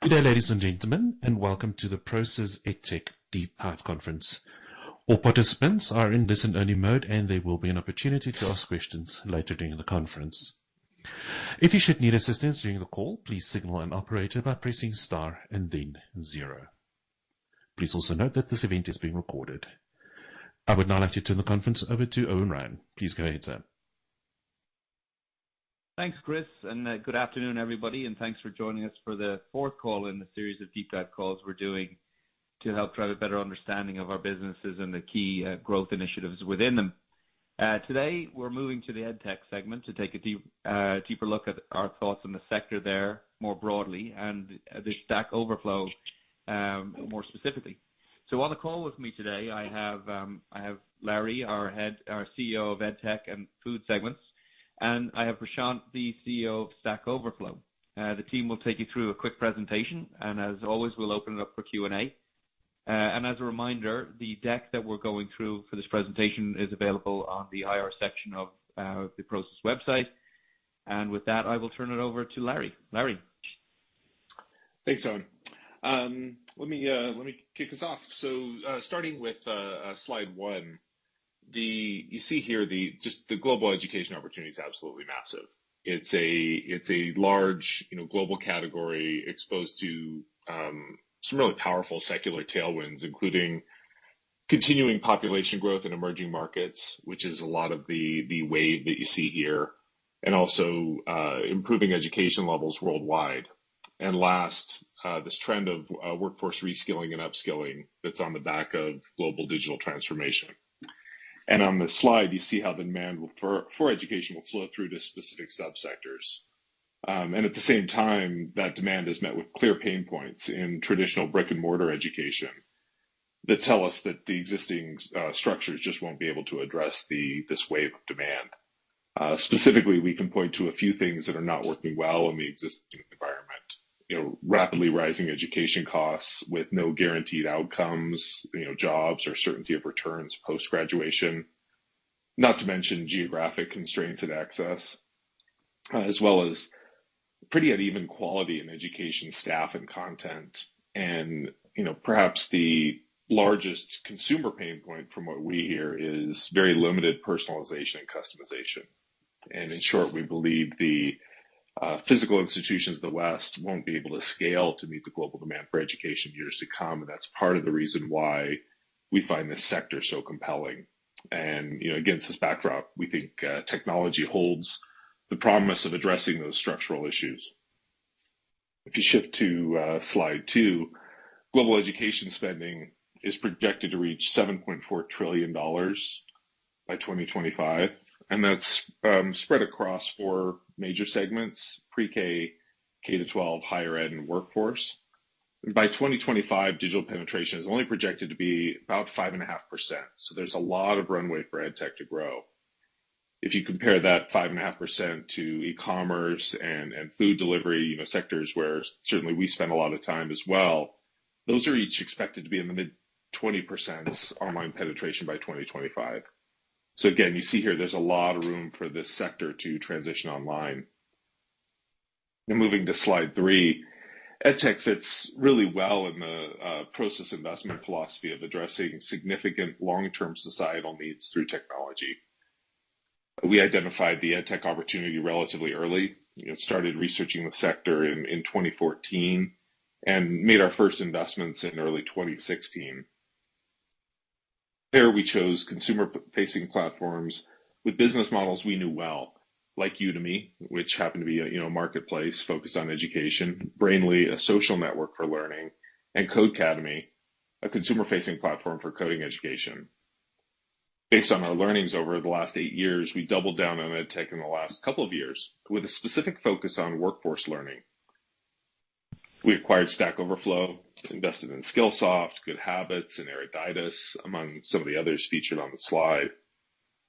Good day, ladies and gentlemen, and welcome to the Prosus EdTech deep dive conference. All participants are in listen-only mode, and there will be an opportunity to ask questions later during the conference. If you should need assistance during the call, please signal an operator by pressing star and then zero. Please also note that this event is being recorded. I would now like to turn the conference over to Eoin Ryan. Please go ahead, sir. Thanks, Chris, and good afternoon, everybody, and thanks for joining us for the fourth call in the series of deep dive calls we're doing to help drive a better understanding of our businesses and the key growth initiatives within them. Today we're moving to the EdTech segment to take a deeper look at our thoughts on the sector there more broadly and the Stack Overflow more specifically. On the call with me today, I have Larry, our CEO of EdTech and Food segments, and I have Prashanth, the CEO of Stack Overflow. The team will take you through a quick presentation, and as always, we'll open it up for Q&A. As a reminder, the deck that we're going through for this presentation is available on the IR section of the Prosus website. With that, I will turn it over to Larry. Larry. Thanks, Eoin. Let me kick us off. Starting with slide one, you see here just the global education opportunity is absolutely massive. It's a large, you know, global category exposed to some really powerful secular tailwinds, including continuing population growth in emerging markets, which is a lot of the wave that you see here, and also improving education levels worldwide. Last, this trend of workforce reskilling and upskilling that's on the back of global digital transformation. On this slide, you see how the demand for education will flow through to specific subsectors. At the same time, that demand is met with clear pain points in traditional brick-and-mortar education that tell us that the existing structures just won't be able to address this wave of demand. Specifically, we can point to a few things that are not working well in the existing environment. You know, rapidly rising education costs with no guaranteed outcomes, you know, jobs or certainty of returns post-graduation, not to mention geographic constraints and access, as well as pretty uneven quality in education staff and content. You know, perhaps the largest consumer pain point from what we hear is very limited personalization and customization. In short, we believe the physical institutions of the West won't be able to scale to meet the global demand for education in years to come, and that's part of the reason why we find this sector so compelling. You know, against this backdrop, we think technology holds the promise of addressing those structural issues. If you shift to slide two, global education spending is projected to reach $7.4 trillion by 2025, and that's spread across four major segments, pre-K, K-12, higher Ed, and Workforce. By 2025, digital penetration is only projected to be about 5.5%, so there's a lot of runway for EdTech to grow. If you compare that 5.5% to e-commerce and food delivery, you know, sectors where certainly we spend a lot of time as well, those are each expected to be in the mid-20s% online penetration by 2025. So again, you see here there's a lot of room for this sector to transition online. Moving to slide three, EdTech fits really well in the Prosus investment philosophy of addressing significant long-term societal needs through technology. We identified the EdTech opportunity relatively early. You know, started researching the sector in 2014 and made our first investments in early 2016. There we chose consumer-facing platforms with business models we knew well, like Udemy, which happened to be a, you know, marketplace focused on education, Brainly, a social network for learning, and Codecademy, a consumer-facing platform for coding education. Based on our learnings over the last eight years, we doubled down on EdTech in the last couple of years with a specific focus on workforce learning. We acquired Stack Overflow, invested in Skillsoft, GoodHabitz, and Eruditus, among some of the others featured on the slide.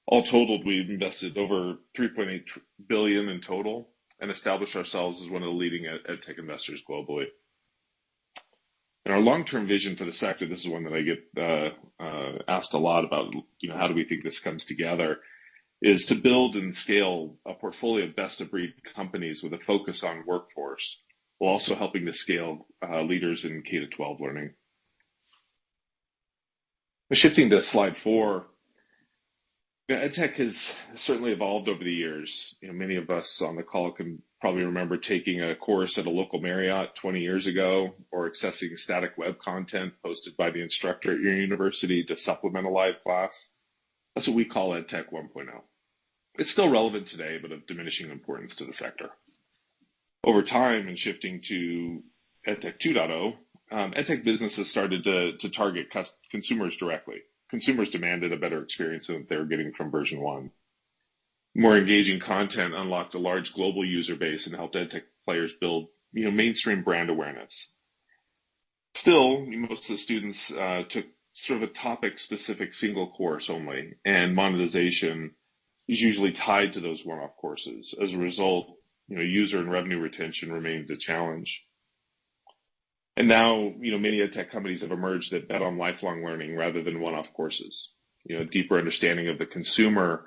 All told, we've invested over $3.8 billion in total and established ourselves as one of the leading EdTech investors globally. Our long-term vision for the sector, this is one that I get asked a lot about, you know, how do we think this comes together, is to build and scale a portfolio of best-of-breed companies with a focus on Workforce while also helping to scale leaders in K-12 learning. Shifting to slide four. You know, EdTech has certainly evolved over the years. You know, many of us on the call can probably remember taking a course at a local Marriott 20 years ago or accessing static web content posted by the instructor at your university to supplement a live class. That's what we call EdTech 1.0. It's still relevant today, but of diminishing importance to the sector. Over time, shifting to EdTech 2.0, EdTech businesses started to target consumers directly. Consumers demanded a better experience than they were getting from version one. More engaging content unlocked a large global user base and helped EdTech players build, you know, mainstream brand awareness. Still, most of the students took sort of a topic-specific single course only, and monetization is usually tied to those one-off courses. As a result, you know, user and revenue retention remained a challenge. Now, you know, many EdTech companies have emerged that bet on lifelong learning rather than one-off courses. You know, deeper understanding of the consumer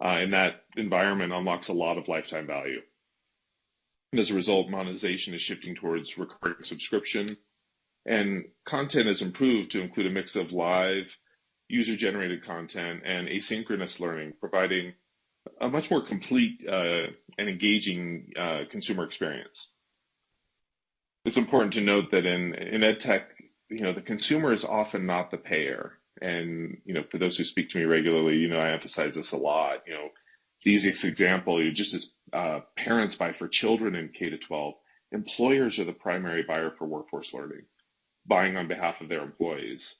in that environment unlocks a lot of lifetime value. As a result, monetization is shifting towards recurring subscription. Content is improved to include a mix of live user-generated content and asynchronous learning, providing a much more complete and engaging consumer experience. It's important to note that in EdTech, you know, the consumer is often not the payer. You know, for those who speak to me regularly, you know I emphasize this a lot. You know, the easiest example, just as parents buy for children in K-12, employers are the primary buyer for Workforce Learning, buying on behalf of their employees.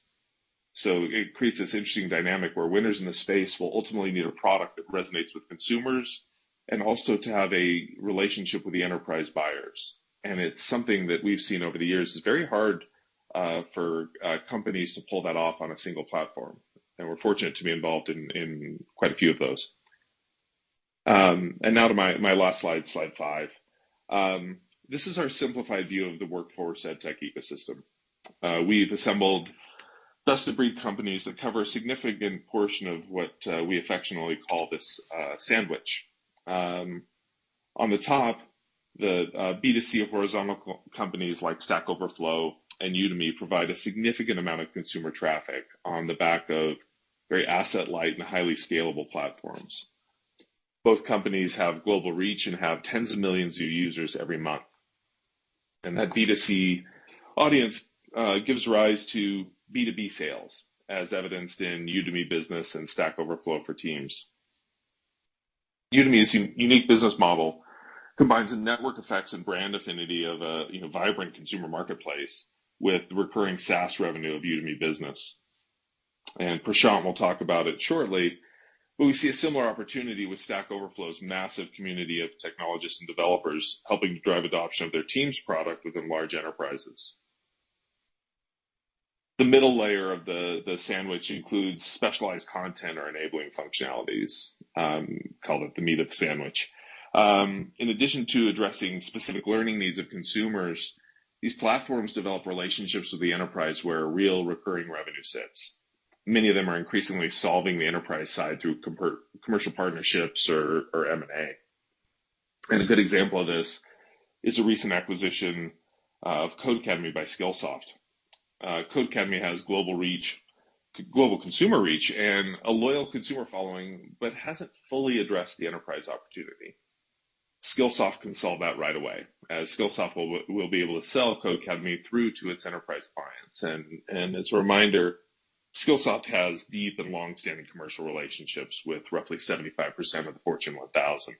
It creates this interesting dynamic where winners in the space will ultimately need a product that resonates with consumers and also to have a relationship with the enterprise buyers. It's something that we've seen over the years. It's very hard for companies to pull that off on a single platform, and we're fortunate to be involved in quite a few of those. Now to my last slide five. This is our simplified view of the workforce EdTech ecosystem. We've assembled best-of-breed companies that cover a significant portion of what we affectionately call this sandwich. On the top, the B2C horizontal companies like Stack Overflow and Udemy provide a significant amount of consumer traffic on the back of very asset-light and highly scalable platforms. Both companies have global reach and have tens of millions of users every month. That B2C audience gives rise to B2B sales, as evidenced in Udemy Business and Stack Overflow for Teams. Udemy's unique business model combines the network effects and brand affinity of a, you know, vibrant consumer marketplace with the recurring SaaS revenue of Udemy Business. Prashanth will talk about it shortly, but we see a similar opportunity with Stack Overflow's massive community of technologists and developers helping to drive adoption of their team's product within large enterprises. The middle layer of the sandwich includes specialized content or enabling functionalities, call it the meat of the sandwich. In addition to addressing specific learning needs of consumers, these platforms develop relationships with the enterprise where real recurring revenue sits. Many of them are increasingly solving the enterprise side through commercial partnerships or M&A. A good example of this is the recent acquisition of Codecademy by Skillsoft. Codecademy has global reach, global consumer reach and a loyal consumer following, but hasn't fully addressed the enterprise opportunity. Skillsoft can solve that right away, as Skillsoft will be able to sell Codecademy through to its enterprise clients. As a reminder, Skillsoft has deep and long-standing commercial relationships with roughly 75% of the Fortune 1000.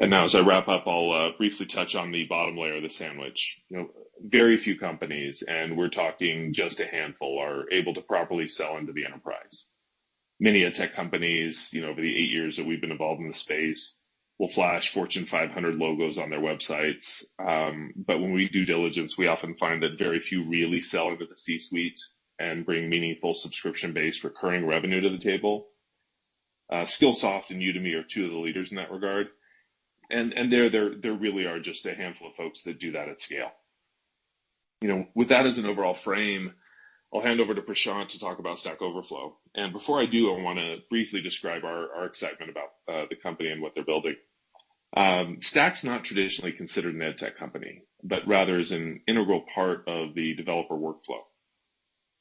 Now as I wrap up, I'll briefly touch on the bottom layer of the sandwich. You know, very few companies, and we're talking just a handful, are able to properly sell into the enterprise. Many EdTech companies, you know, over the eight years that we've been involved in the space, will flash Fortune 500 logos on their websites. When we do diligence, we often find that very few really sell into the C-suite and bring meaningful subscription-based recurring revenue to the table. Skillsoft and Udemy are two of the leaders in that regard. There really are just a handful of folks that do that at scale. You know, with that as an overall frame, I'll hand over to Prashanth to talk about Stack Overflow. Before I do, I wanna briefly describe our excitement about the company and what they're building. Stack's not traditionally considered an EdTech company, but rather is an integral part of the developer workflow.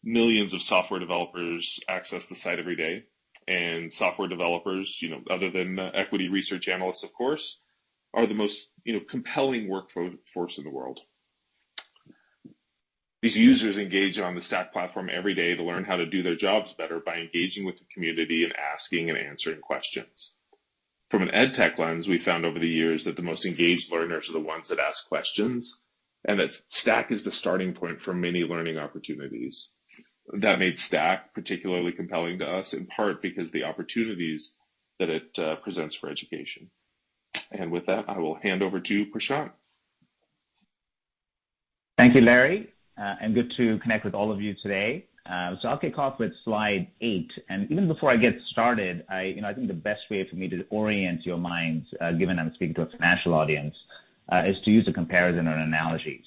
Millions of software developers access the site every day, and software developers, you know, other than equity research analysts, of course, are the most, you know, compelling workforce in the world. These users engage on the Stack platform every day to learn how to do their jobs better by engaging with the community and asking and answering questions. From an EdTech lens, we found over the years that the most engaged learners are the ones that ask questions, and that Stack is the starting point for many learning opportunities. That made Stack particularly compelling to us, in part because the opportunities that it presents for education. With that, I will hand over to Prashanth. Thank you, Larry, and good to connect with all of you today. I'll kick off with slide eight. Even before I get started, you know, I think the best way for me to orient your minds, given I'm speaking to a financial audience, is to use a comparison or an analogy.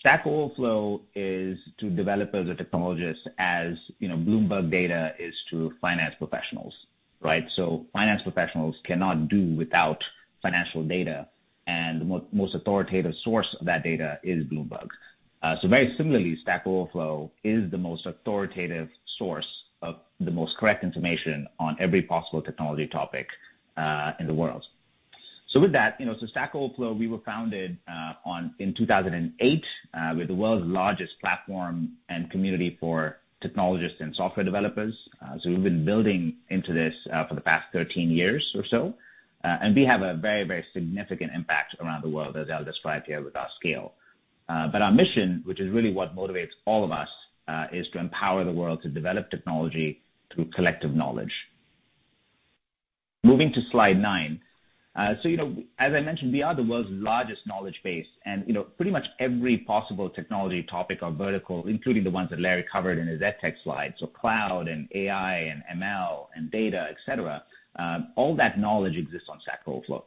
Stack Overflow is to developers or technologists as, you know, Bloomberg data is to finance professionals, right? Finance professionals cannot do without financial data, and the most authoritative source of that data is Bloomberg. Very similarly, Stack Overflow is the most authoritative source of the most correct information on every possible technology topic, in the world. With that, you know, Stack Overflow, we were founded in 2008. We're the world's largest platform and community for technologists and software developers. We've been building into this for the past 13 years or so. We have a very, very significant impact around the world, as I'll describe here with our scale. Our mission, which is really what motivates all of us, is to empower the world to develop technology through collective knowledge. Moving to slide nine. You know, as I mentioned, we are the world's largest knowledge base and, you know, pretty much every possible technology topic or vertical, including the ones that Larry covered in his EdTech slide. Cloud and AI and ML and data, et cetera, all that knowledge exists on Stack Overflow,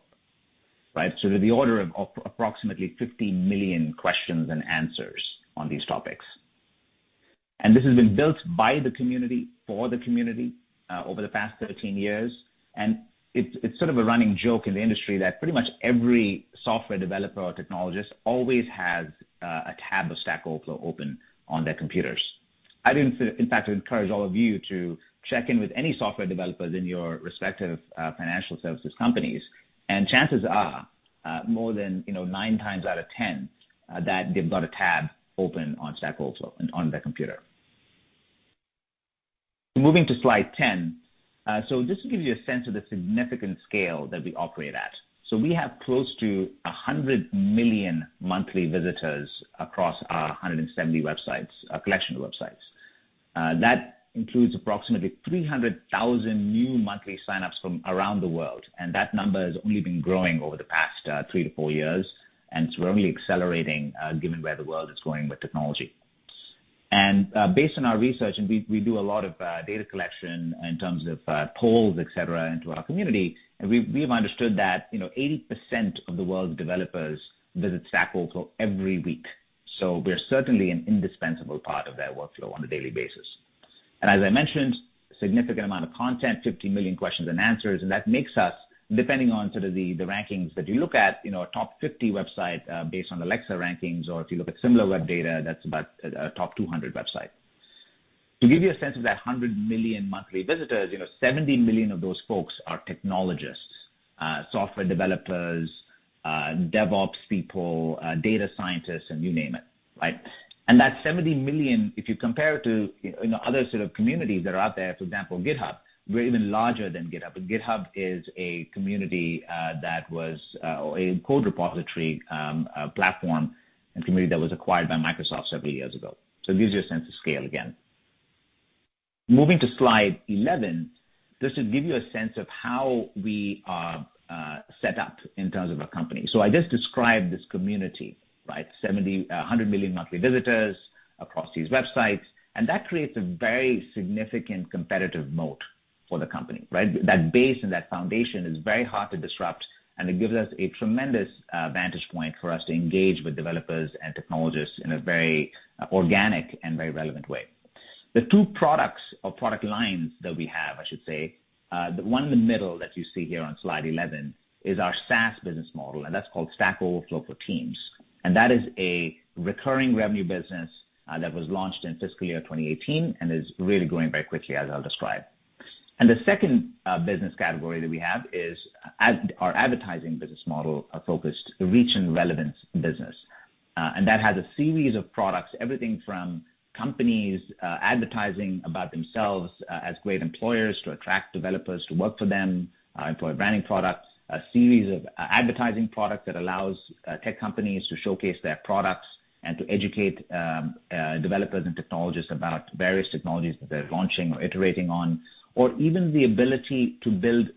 right? On the order of approximately 50 million questions and answers on these topics. This has been built by the community for the community over the past 13 years. It's sort of a running joke in the industry that pretty much every software developer or technologist always has a tab of Stack Overflow open on their computers. I'd in fact encourage all of you to check in with any software developers in your respective financial services companies. Chances are more than, you know, nine times out of ten that they've got a tab open on Stack Overflow on their computer. Moving to slide ten. Just to give you a sense of the significant scale that we operate at. We have close to 100 million monthly visitors across our 170 websites collection of websites. That includes approximately 300,000 new monthly signups from around the world, and that number has only been growing over the past three to four years. We're only accelerating, given where the world is going with technology. Based on our research, we do a lot of data collection in terms of polls, et cetera, into our community. We have understood that, you know, 80% of the world's developers visit Stack Overflow every week. We are certainly an indispensable part of their workflow on a daily basis. As I mentioned, significant amount of content, 50 million questions and answers. That makes us, depending on sort of the rankings that you look at, you know, a top 50 website, based on the Alexa rankings, or if you look at SimilarWeb data, that's about a top 200 website. To give you a sense of that 100 million monthly visitors, you know, 70 million of those folks are technologists, software developers, DevOps people, data scientists, and you name it, right? That 70 million, if you compare it to, you know, other sort of communities that are out there, for example, GitHub, we're even larger than GitHub. GitHub is a community that was or a code repository platform and community that was acquired by Microsoft several years ago. It gives you a sense of scale again. Moving to slide 11. Just to give you a sense of how we are set up in terms of a company. I just described this community, right? 100 million monthly visitors across these websites. That creates a very significant competitive moat for the company, right? That base and that foundation is very hard to disrupt, and it gives us a tremendous vantage point for us to engage with developers and technologists in a very organic and very relevant way. The two products or product lines that we have, I should say, the one in the middle that you see here on slide 11 is our SaaS business model, and that's called Stack Overflow for Teams. That is a recurring revenue business that was launched in fiscal year 2018 and is really growing very quickly, as I'll describe. The second business category that we have is our advertising business model, a focused reach and relevance business. That has a series of products, everything from companies advertising about themselves as great employers to attract developers to work for them, employer branding products. A series of advertising products that allows tech companies to showcase their products and to educate developers and technologists about various technologies that they're launching or iterating on, or even the ability to build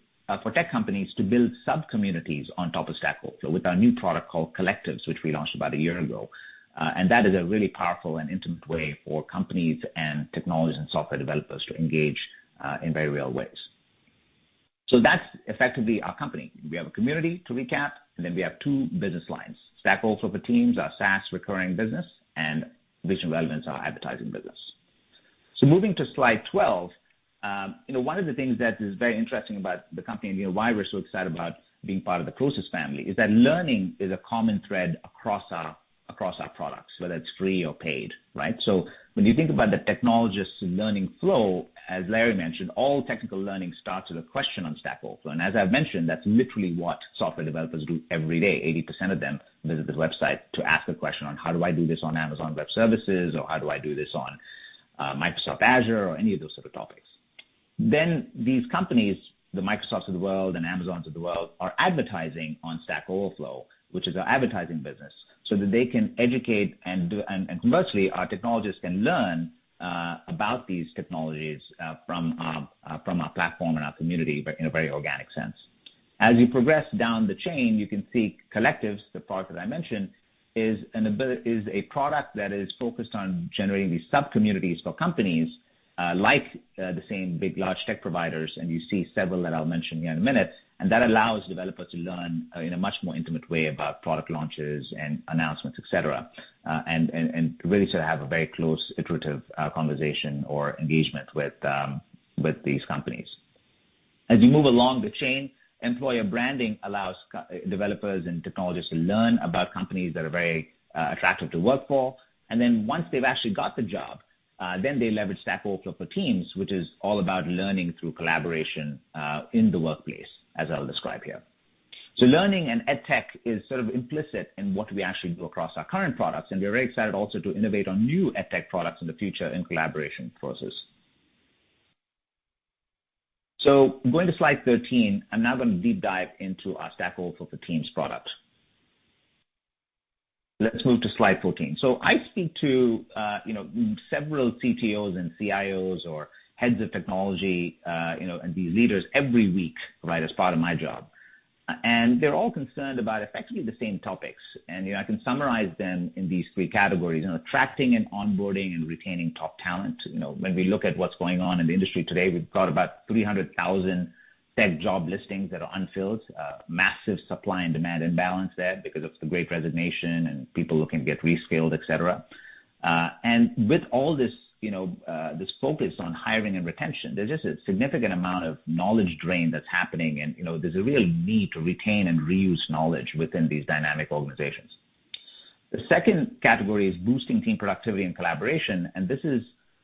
for tech companies to build sub-communities on top of Stack Overflow with our new product called Collectives, which we launched about a year ago. That is a really powerful and intimate way for companies and technologists and software developers to engage in very real ways. That's effectively our company. We have a community, to recap, and then we have two business lines. Stack Overflow for Teams, our SaaS recurring business, and Reach and Relevance, our advertising business. Moving to slide 12. You know, one of the things that is very interesting about the company, and you know, why we're so excited about being part of the Prosus family, is that learning is a common thread across our products, whether it's free or paid, right? When you think about the technologist's learning flow, as Larry mentioned, all technical learning starts with a question on Stack Overflow. As I've mentioned, that's literally what software developers do every day. 80% of them visit this website to ask a question on how do I do this on Amazon Web Services, or how do I do this on Microsoft Azure or any of those sort of topics. These companies, the Microsofts of the world and Amazons of the world, are advertising on Stack Overflow, which is our advertising business, so that they can educate and do. Commercially, our technologists can learn about these technologies from our platform and our community, but in a very organic sense. As you progress down the chain, you can see Collectives, the product that I mentioned, is a product that is focused on generating these sub-communities for companies like the same big large tech providers, and you see several that I'll mention here in a minute. That allows developers to learn in a much more intimate way about product launches and announcements, et cetera, really to have a very close iterative conversation or engagement with these companies. As you move along the chain, employer branding allows developers and technologists to learn about companies that are very attractive to work for. Once they've actually got the job, then they leverage Stack Overflow for Teams, which is all about learning through collaboration in the workplace, as I'll describe here. Learning and EdTech is sort of implicit in what we actually do across our current products, and we're very excited also to innovate on new EdTech products in the future in collaboration with Prosus. Going to slide 13. I'm now gonna deep dive into our Stack Overflow for Teams product. Let's move to slide 14. I speak to, you know, several CTOs and CIOs or Heads of Technology, you know, and these leaders every week, right, as part of my job. They're all concerned about effectively the same topics. You know, I can summarize them in these three categories. You know, attracting and onboarding and retaining top talent. You know, when we look at what's going on in the industry today, we've got about 300,000 tech job listings that are unfilled. Massive supply and demand imbalance there because of the great resignation and people looking to get reskilled, etc. With all this, you know, this focus on hiring and retention, there's just a significant amount of knowledge drain that's happening. You know, there's a real need to retain and reuse knowledge within these dynamic organizations. The second category is boosting team productivity and collaboration. This is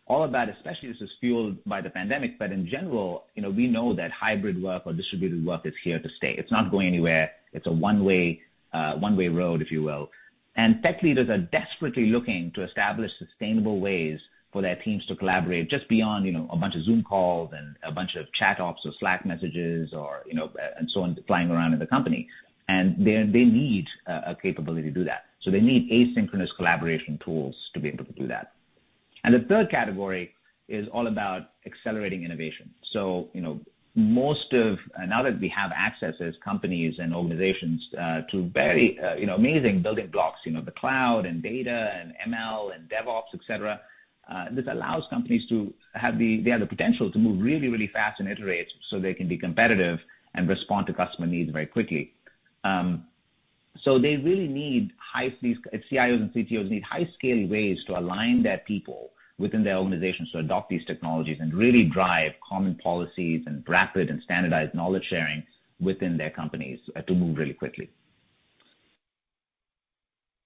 all about, especially this is fueled by the pandemic, but in general, you know, we know that hybrid work or distributed work is here to stay. It's not going anywhere. It's a one-way road, if you will. Tech leaders are desperately looking to establish sustainable ways for their teams to collaborate just beyond, you know, a bunch of Zoom calls and a bunch of chat apps or Slack messages or, you know, and so on, flying around in the company. They need a capability to do that. They need asynchronous collaboration tools to be able to do that. The third category is all about accelerating innovation. You know, now that we have access as companies and organizations to very, you know, amazing building blocks, you know, the cloud and data and ML and DevOps, et cetera, this allows companies to have the potential to move really, really fast and iterate so they can be competitive and respond to customer needs very quickly. They really need high. CIOs and CTOs need high-scale ways to align their people within their organizations to adopt these technologies and really drive common policies and rapid and standardized knowledge sharing within their companies to move really quickly.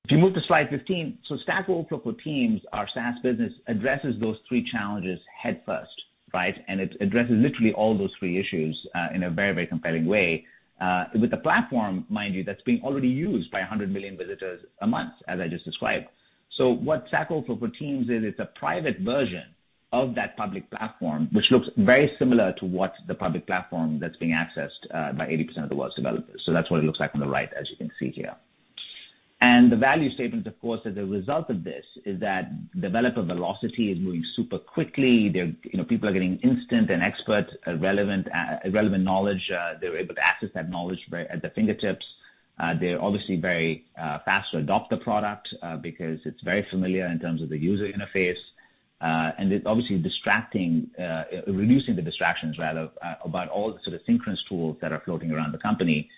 If you move to slide 15, Stack Overflow for Teams, our SaaS business, addresses those three challenges head first, right? It addresses literally all those three issues in a very, very compelling way with a platform, mind you, that's being already used by 100 million visitors a month, as I just described. What Stack Overflow for Teams is is a private version of that public platform, which looks very similar to what the public platform that's being accessed by 80% of the world's developers. That's what it looks like on the right, as you can see here. The value statement, of course, as a result of this, is that developer velocity is moving super quickly. They're, you know, people are getting instant and expert, relevant knowledge. They're able to access that knowledge at their fingertips. They're obviously very fast to adopt the product because it's very familiar in terms of the user interface. And it's obviously distracting, reducing the distractions rather, about all the sort of synchronous tools that are floating around the company,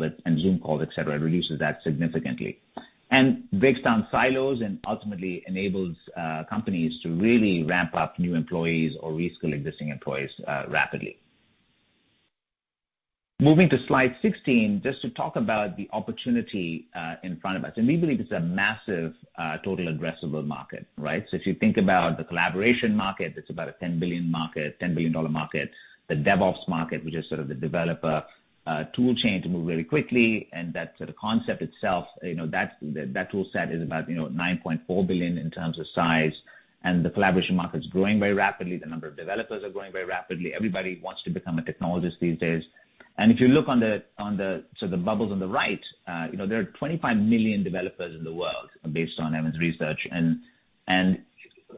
with and Zoom calls, et cetera. It reduces that significantly. It breaks down silos and ultimately enables companies to really ramp up new employees or reskill existing employees rapidly. Moving to slide 16, just to talk about the opportunity in front of us, and we believe it's a massive total addressable market, right? If you think about the collaboration market, it's about a $10 billion market, $10 billion dollar market. The DevOps market, which is sort of the developer tool chain to move very quickly. That sort of concept itself, you know, that tool set is about, you know, $9.4 billion in terms of size. The collaboration market is growing very rapidly. The number of developers are growing very rapidly. Everybody wants to become a technologist these days. If you look at the bubbles on the right, you know, there are 25 million developers in the world based on Evans research.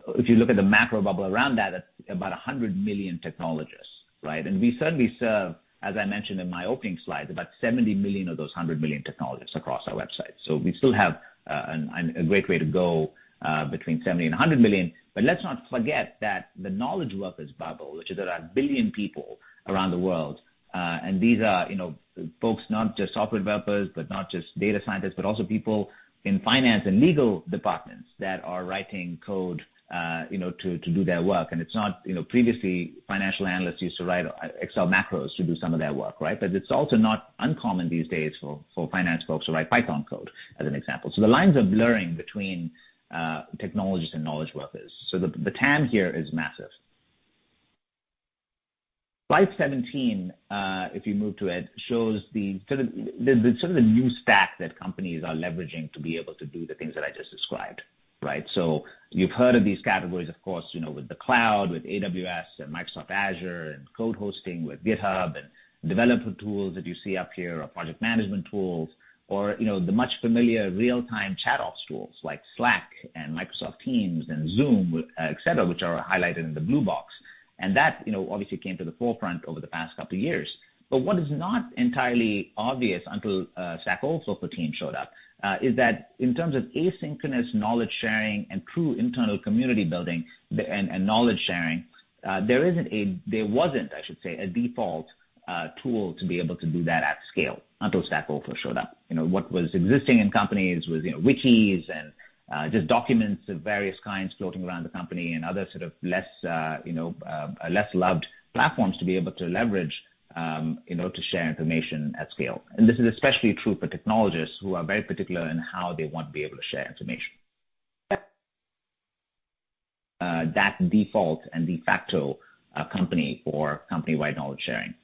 If you look at the macro bubble around that, about 100 million technologists, right? We certainly serve, as I mentioned in my opening slide, about 70 million of those 100 million technologists across our website. We still have a great way to go between 70 and 100 million. Let's not forget that the knowledge workers bubble, which is around 1 billion people around the world, and these are, you know, folks, not just software developers, but not just data scientists, but also people in finance and legal departments that are writing code, you know, to do their work. It's not. You know, previously, financial analysts used to write Excel macros to do some of their work, right? It's also not uncommon these days for finance folks to write Python code as an example. The lines are blurring between technologists and knowledge workers. The TAM here is massive. Slide 17, if you move to it, shows the sort of the new stack that companies are leveraging to be able to do the things that I just described, right? You've heard of these categories, of course, you know, with the cloud, with AWS and Microsoft Azure and code hosting with GitHub and developer tools that you see up here or project management tools, or you know, the much more familiar real-time chat ops tools like Slack and Microsoft Teams and Zoom, et cetera, which are highlighted in the blue box. That, you know, obviously came to the forefront over the past couple of years. What is not entirely obvious until Stack Overflow for Teams showed up is that in terms of asynchronous knowledge sharing and true internal community building and knowledge sharing, there isn't a... There wasn't, I should say, a default tool to be able to do that at scale until Stack Overflow showed up. You know, what was existing in companies was, you know, wikis and just documents of various kinds floating around the company and other sort of less, you know, less loved platforms to be able to leverage, you know, to share information at scale. This is especially true for technologists who are very particular in how they want to be able to share information. That default and de facto company or company-wide knowledge sharing.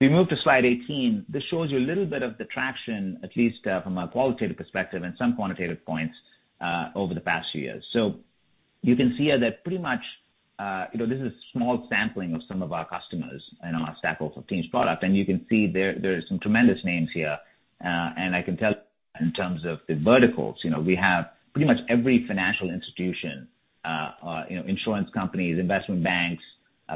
We move to slide 18. This shows you a little bit of the traction, at least, from a qualitative perspective and some quantitative points over the past few years. You can see here that pretty much, you know, this is a small sampling of some of our customers in our Stack Overflow for Teams product. You can see there are some tremendous names here. I can tell in terms of the verticals, you know, we have pretty much every financial institution, insurance companies, investment banks,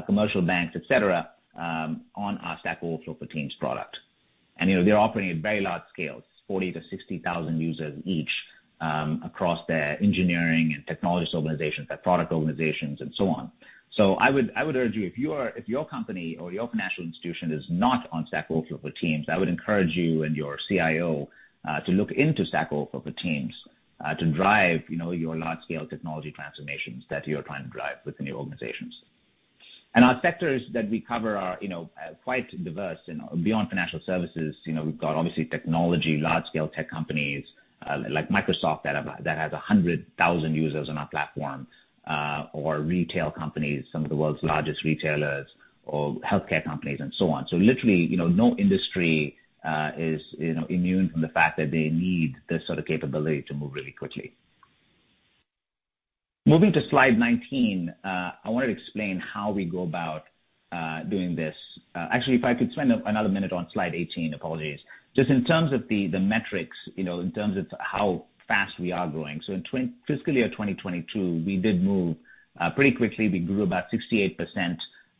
commercial banks, et cetera, on our Stack Overflow for Teams product. You know, they're operating at very large scales, 40,000-60,000 users each, across their engineering and technologist organizations, their product organizations and so on. I would urge you, if your company or your financial institution is not on Stack Overflow for Teams, I would encourage you and your CIO to look into Stack Overflow for Teams to drive, you know, your large scale technology transformations that you're trying to drive within your organizations. Our sectors that we cover are, you know, quite diverse. You know, beyond financial services, you know, we've got obviously technology, large scale tech companies, like Microsoft that has 100,000 users on our platform, or retail companies, some of the world's largest retailers or healthcare companies and so on. Literally, you know, no industry is, you know, immune from the fact that they need this sort of capability to move really quickly. Moving to slide 19, I wanna explain how we go about doing this. Actually, if I could spend another minute on slide 18. Apologies. Just in terms of the metrics, you know, in terms of how fast we are growing. In fiscal year 2022, we did move pretty quickly. We grew about 68%,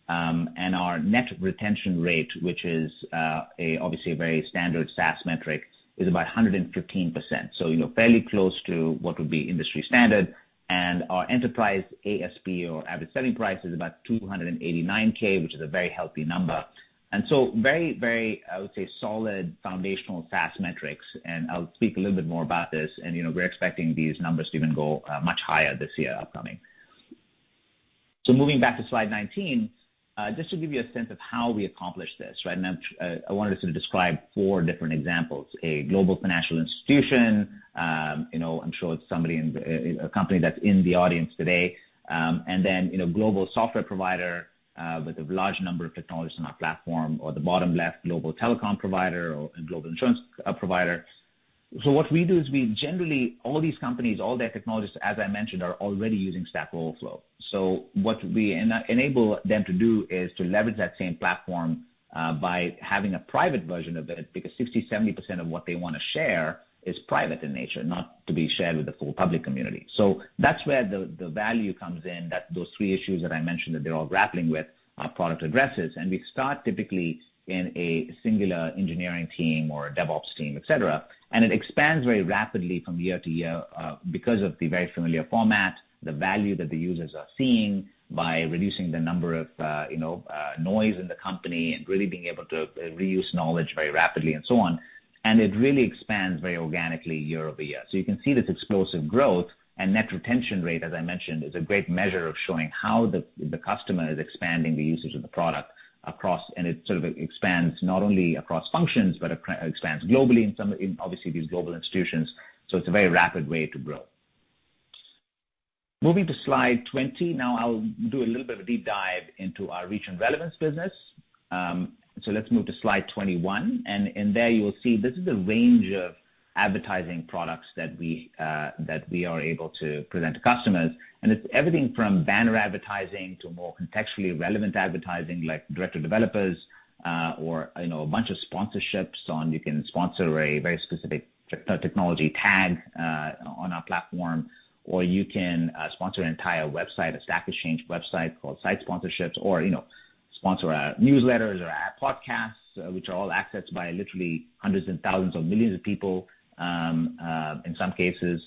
and our net retention rate, which is a obviously a very standard SaaS metric, is about 115%. You know, fairly close to what would be industry standard. Our enterprise ASP or average selling price is about $289,000, which is a very healthy number. Very, very, I would say, solid foundational SaaS metrics, and I'll speak a little bit more about this. You know, we're expecting these numbers to even go much higher this year upcoming. Moving back to slide 19. Just to give you a sense of how we accomplish this, right? I wanted to sort of describe four different examples. A global financial institution, you know, I'm sure it's somebody in the a company that's in the audience today. And then, you know, global software provider with a large number of technologists on our platform, or the bottom left, global telecom provider or and global insurance provider. What we do is we generally all these companies, all their technologists, as I mentioned, are already using Stack Overflow. What we enable them to do is to leverage that same platform by having a private version of it, because 60%-70% of what they wanna share is private in nature, not to be shared with the full public community. That's where the value comes in, that those three issues that I mentioned, that they're all grappling with, our product addresses. We start typically in a singular engineering team or a DevOps team, et cetera. It expands very rapidly from year to year because of the very familiar format, the value that the users are seeing by reducing the number of noise in the company and really being able to reuse knowledge very rapidly and so on. It really expands very organically year-over-year. You can see this explosive growth. Net-retention rate, as I mentioned, is a great measure of showing how the customer is expanding the usage of the product across. It sort of expands not only across functions but expands globally in obviously these global institutions. It's a very rapid way to grow. Moving to slide 20. Now I'll do a little bit of a deep dive into our reach and relevance business. So let's move to slide 21. There you will see this is a range of advertising products that we are able to present to customers. It's everything from banner advertising to more contextually relevant advertising like direct to developers, or, you know, a bunch of sponsorships on. You can sponsor a very specific technology tag on our platform, or you can sponsor an entire website, a Stack Exchange website called Site Sponsorships, or, you know, sponsor our newsletters or our podcasts, which are all accessed by literally hundreds and thousands or millions of people in some cases,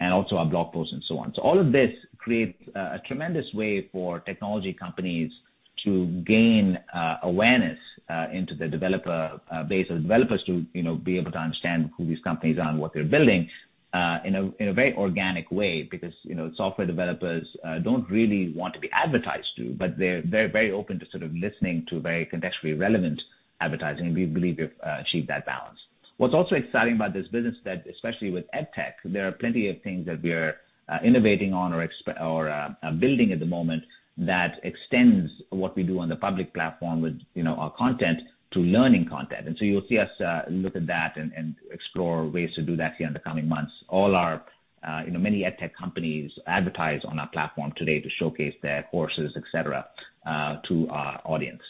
and also our blog posts and so on. All of this creates a tremendous way for technology companies to gain awareness into the developer base of developers to, you know, be able to understand who these companies are and what they're building in a very organic way. Because, you know, software developers don't really want to be advertised to, but they're very open to sort of listening to very contextually relevant advertising, and we believe we've achieved that balance. What's also exciting about this business is that especially with EdTech, there are plenty of things that we're innovating on or building at the moment that extends what we do on the public platform with, you know, our content to learning content. You'll see us look at that and explore ways to do that here in the coming months. All our, you know, many EdTech companies advertise on our platform today to showcase their courses, et cetera, to our audience.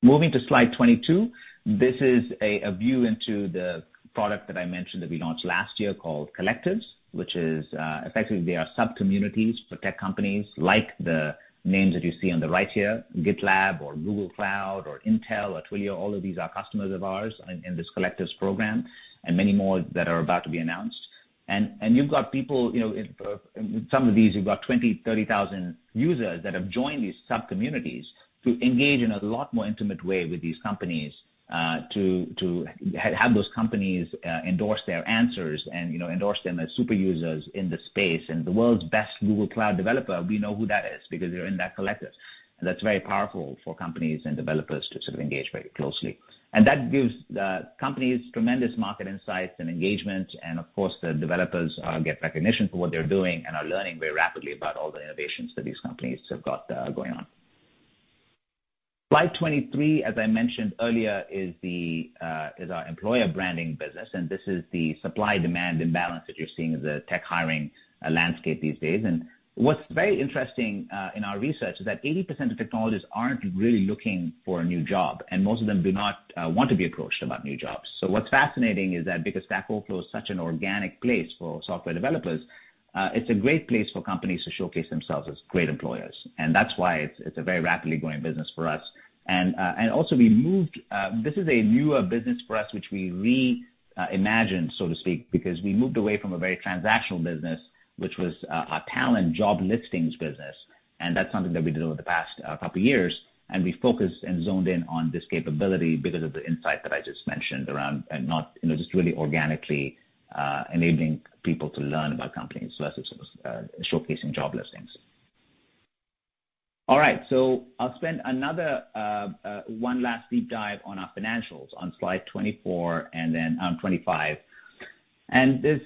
Moving to slide 22. This is a view into the product that I mentioned that we launched last year called Collectives, which is effectively they are sub-communities for tech companies like the names that you see on the right here, GitLab or Google Cloud or Intel or Twilio. All of these are customers of ours in this Collectives program, and many more that are about to be announced. You've got people, you know, in some of these, you've got 20,000-30,000 users that have joined these sub-communities to engage in a lot more intimate way with these companies, to have those companies endorse their answers and, you know, endorse them as super users in the space. The world's best Google Cloud developer, we know who that is because they're in that collective. That's very powerful for companies and developers to sort of engage very closely. That gives the companies tremendous market insights and engagement. Of course, the developers get recognition for what they're doing and are learning very rapidly about all the innovations that these companies have got going on. Slide 23, as I mentioned earlier, is our employer branding business, and this is the supply-demand imbalance that you're seeing as a tech hiring landscape these days. What's very interesting in our research is that 80% of technologists aren't really looking for a new job, and most of them do not want to be approached about new jobs. What's fascinating is that because Stack Overflow is such an organic place for software developers, it's a great place for companies to showcase themselves as great employers. That's why it's a very rapidly growing business for us. Also, this is a newer business for us, which we reimagined, so to speak, because we moved away from a very transactional business, which was a talent job listings business. That's something that we did over the past couple of years. We focused and zoned in on this capability because of the insight that I just mentioned around and not, you know, just really organically enabling people to learn about companies versus showcasing job listings. All right, I'll spend another one last deep dive on our financials on slide 24 and then 25. This,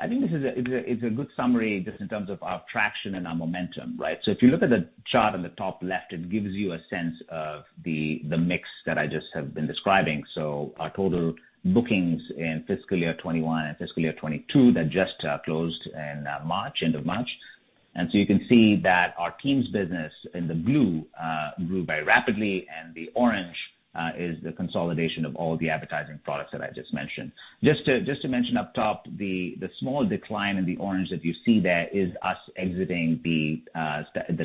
I think this is a good summary just in terms of our traction and our momentum, right? If you look at the chart on the top left, it gives you a sense of the mix that I just have been describing. Our total bookings in fiscal year 2021 and fiscal year 2022 that just closed in March, end of March. You can see that our Teams business in the blue grew very rapidly, and the orange is the consolidation of all the advertising products that I just mentioned. Just to mention up top, the small decline in the orange that you see there is us exiting the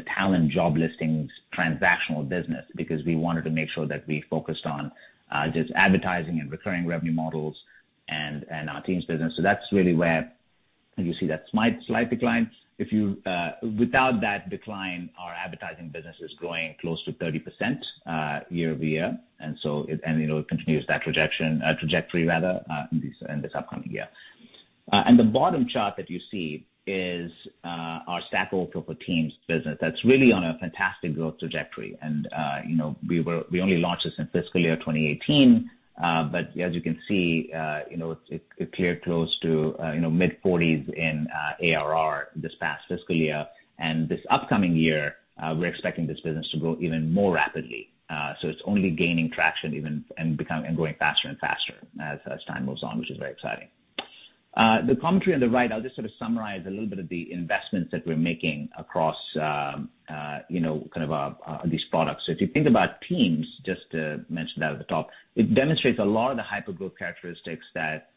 talent job listings transactional business because we wanted to make sure that we focused on just advertising and recurring revenue models and our Teams business. That's really where you see that slight decline. Without that decline, our advertising business is growing close to 30% year-over-year. You know, it continues that trajectory rather in this upcoming year. The bottom chart that you see is our Stack Overflow for Teams business. That's really on a fantastic growth trajectory. You know, we only launched this in fiscal year 2018, but as you can see, you know, it cleared close to, you know, mid-forties in ARR this past fiscal year. This upcoming year, we're expecting this business to grow even more rapidly. It's only gaining traction even and growing faster and faster as time goes on, which is very exciting. The commentary on the right, I'll just sort of summarize a little bit of the investments that we're making across, you know, kind of these products. If you think about Teams, just to mention that at the top, it demonstrates a lot of the hypergrowth characteristics that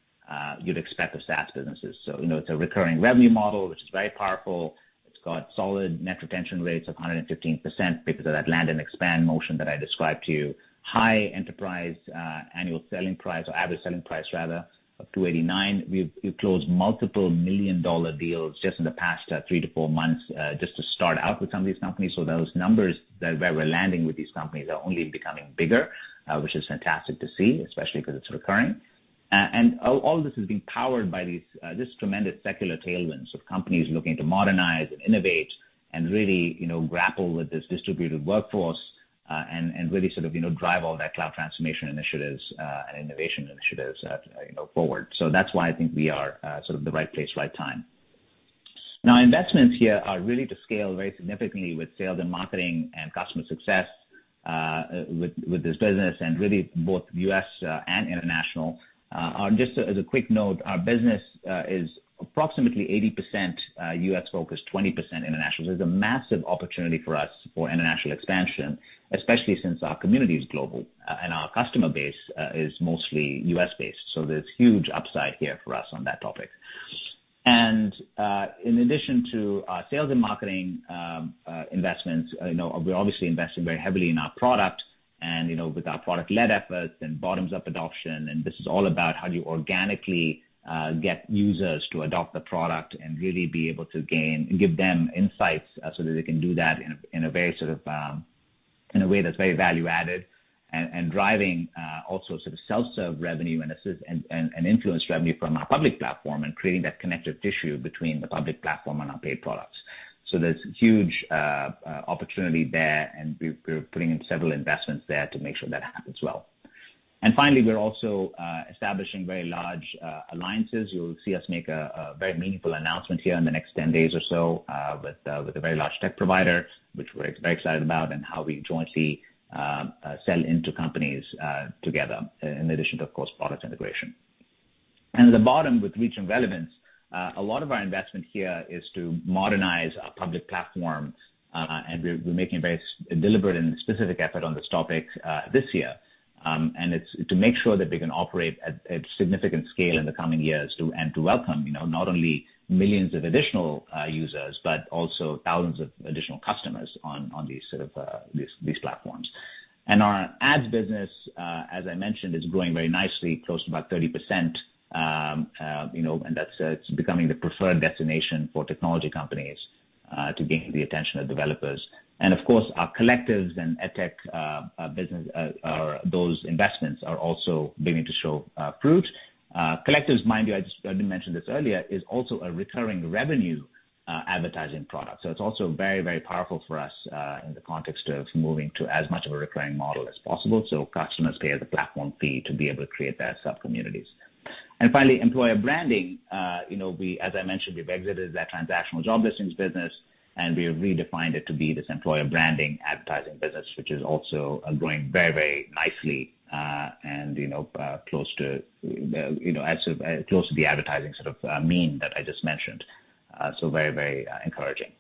you'd expect of SaaS businesses. You know, it's a recurring revenue model, which is very powerful. It's got solid net retention rates of 115% because of that land and expand motion that I described to you. High enterprise annual selling price or average selling price rather of $289. We've closed multiple $1 million deals just in the past three to four months just to start out with some of these companies. Those numbers that where we're landing with these companies are only becoming bigger, which is fantastic to see, especially because it's recurring. All this is being powered by this tremendous secular tailwinds of companies looking to modernize and innovate and really, you know, grapple with this distributed workforce, and really sort of, you know, drive all that cloud transformation initiatives and innovation initiatives, you know, forward. That's why I think we are sort of the right place, right time. Now, investments here are really to scale very significantly with sales and marketing and customer success, with this business and really both U.S. and international. Just as a quick note, our business is approximately 80% U.S. focused, 20% international. There's a massive opportunity for us for international expansion, especially since our community is global, and our customer base is mostly U.S.-based. There's huge upside here for us on that topic. In addition to our sales and marketing investments, you know, we're obviously investing very heavily in our product and, you know, with our product-led efforts and bottoms-up adoption. This is all about how do you organically get users to adopt the product and really be able to give them insights so that they can do that in a very sort of way that's very value added, driving also sort of self-serve revenue and influence revenue from our public platform and creating that connective tissue between the public platform and our paid products. There's huge opportunity there, and we're putting in several investments there to make sure that happens well. Finally, we're also establishing very large alliances. You'll see us make a very meaningful announcement here in the next 10 days or so, with a very large tech provider, which we're very excited about, and how we jointly sell into companies together in addition to, of course, product integration. At the bottom with reach and relevance, a lot of our investment here is to modernize our public platforms. We're making a very deliberate and specific effort on this topic this year. It's to make sure that we can operate at significant scale in the coming years and to welcome, you know, not only millions of additional users, but also thousands of additional customers on these sort of platforms. Our ads business, as I mentioned, is growing very nicely, close to about 30%. You know, that's becoming the preferred destination for technology companies to gain the attention of developers. Of course, our Collectives and EdTech business, those investments are also beginning to show fruit. Collectives, mind you, I did mention this earlier, is also a recurring revenue advertising product. It's also very, very powerful for us in the context of moving to as much of a recurring model as possible. Customers pay the platform fee to be able to create their subcommunities. Finally, employer branding, you know, we, as I mentioned, we've exited that transactional job listings business, and we've redefined it to be this employer branding advertising business, which is also growing very, very nicely, and you know, close to, you know, as, close to the advertising sort of, mean that I just mentioned. Very, very encouraging.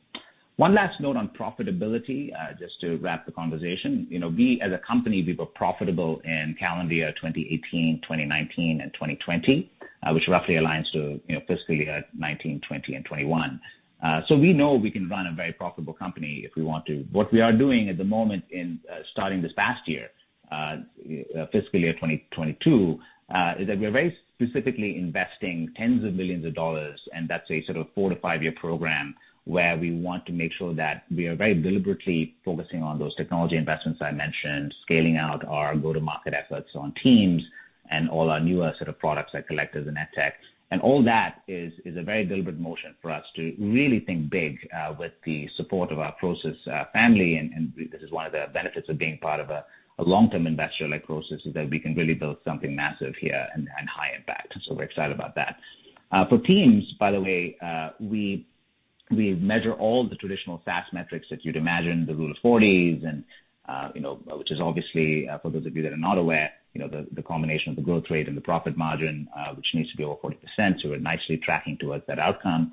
One last note on profitability, just to wrap the conversation. You know, we as a company, we were profitable in calendar year 2018, 2019, and 2020, which roughly aligns to, you know, fiscal year 2019, 2020, and 2021. We know we can run a very profitable company if we want to. What we are doing at the moment in starting this past year, fiscal year 2022, is that we're very specifically investing tens of millions of dollars, and that's a sort of four to five-year program where we want to make sure that we are very deliberately focusing on those technology investments I mentioned, scaling out our go-to-market efforts on Teams. All our newer sort of products like Collectives and EdTech. All that is a very deliberate motion for us to really think big, with the support of our Prosus family. This is one of the benefits of being part of a long-term investor like Prosus, is that we can really build something massive here and high impact. We're excited about that. For teams, by the way, we measure all the traditional SaaS metrics that you'd imagine, the Rule of 40 and, you know, which is obviously, for those of you that are not aware, you know, the combination of the growth rate and the profit margin, which needs to be over 40%. We're nicely tracking towards that outcome.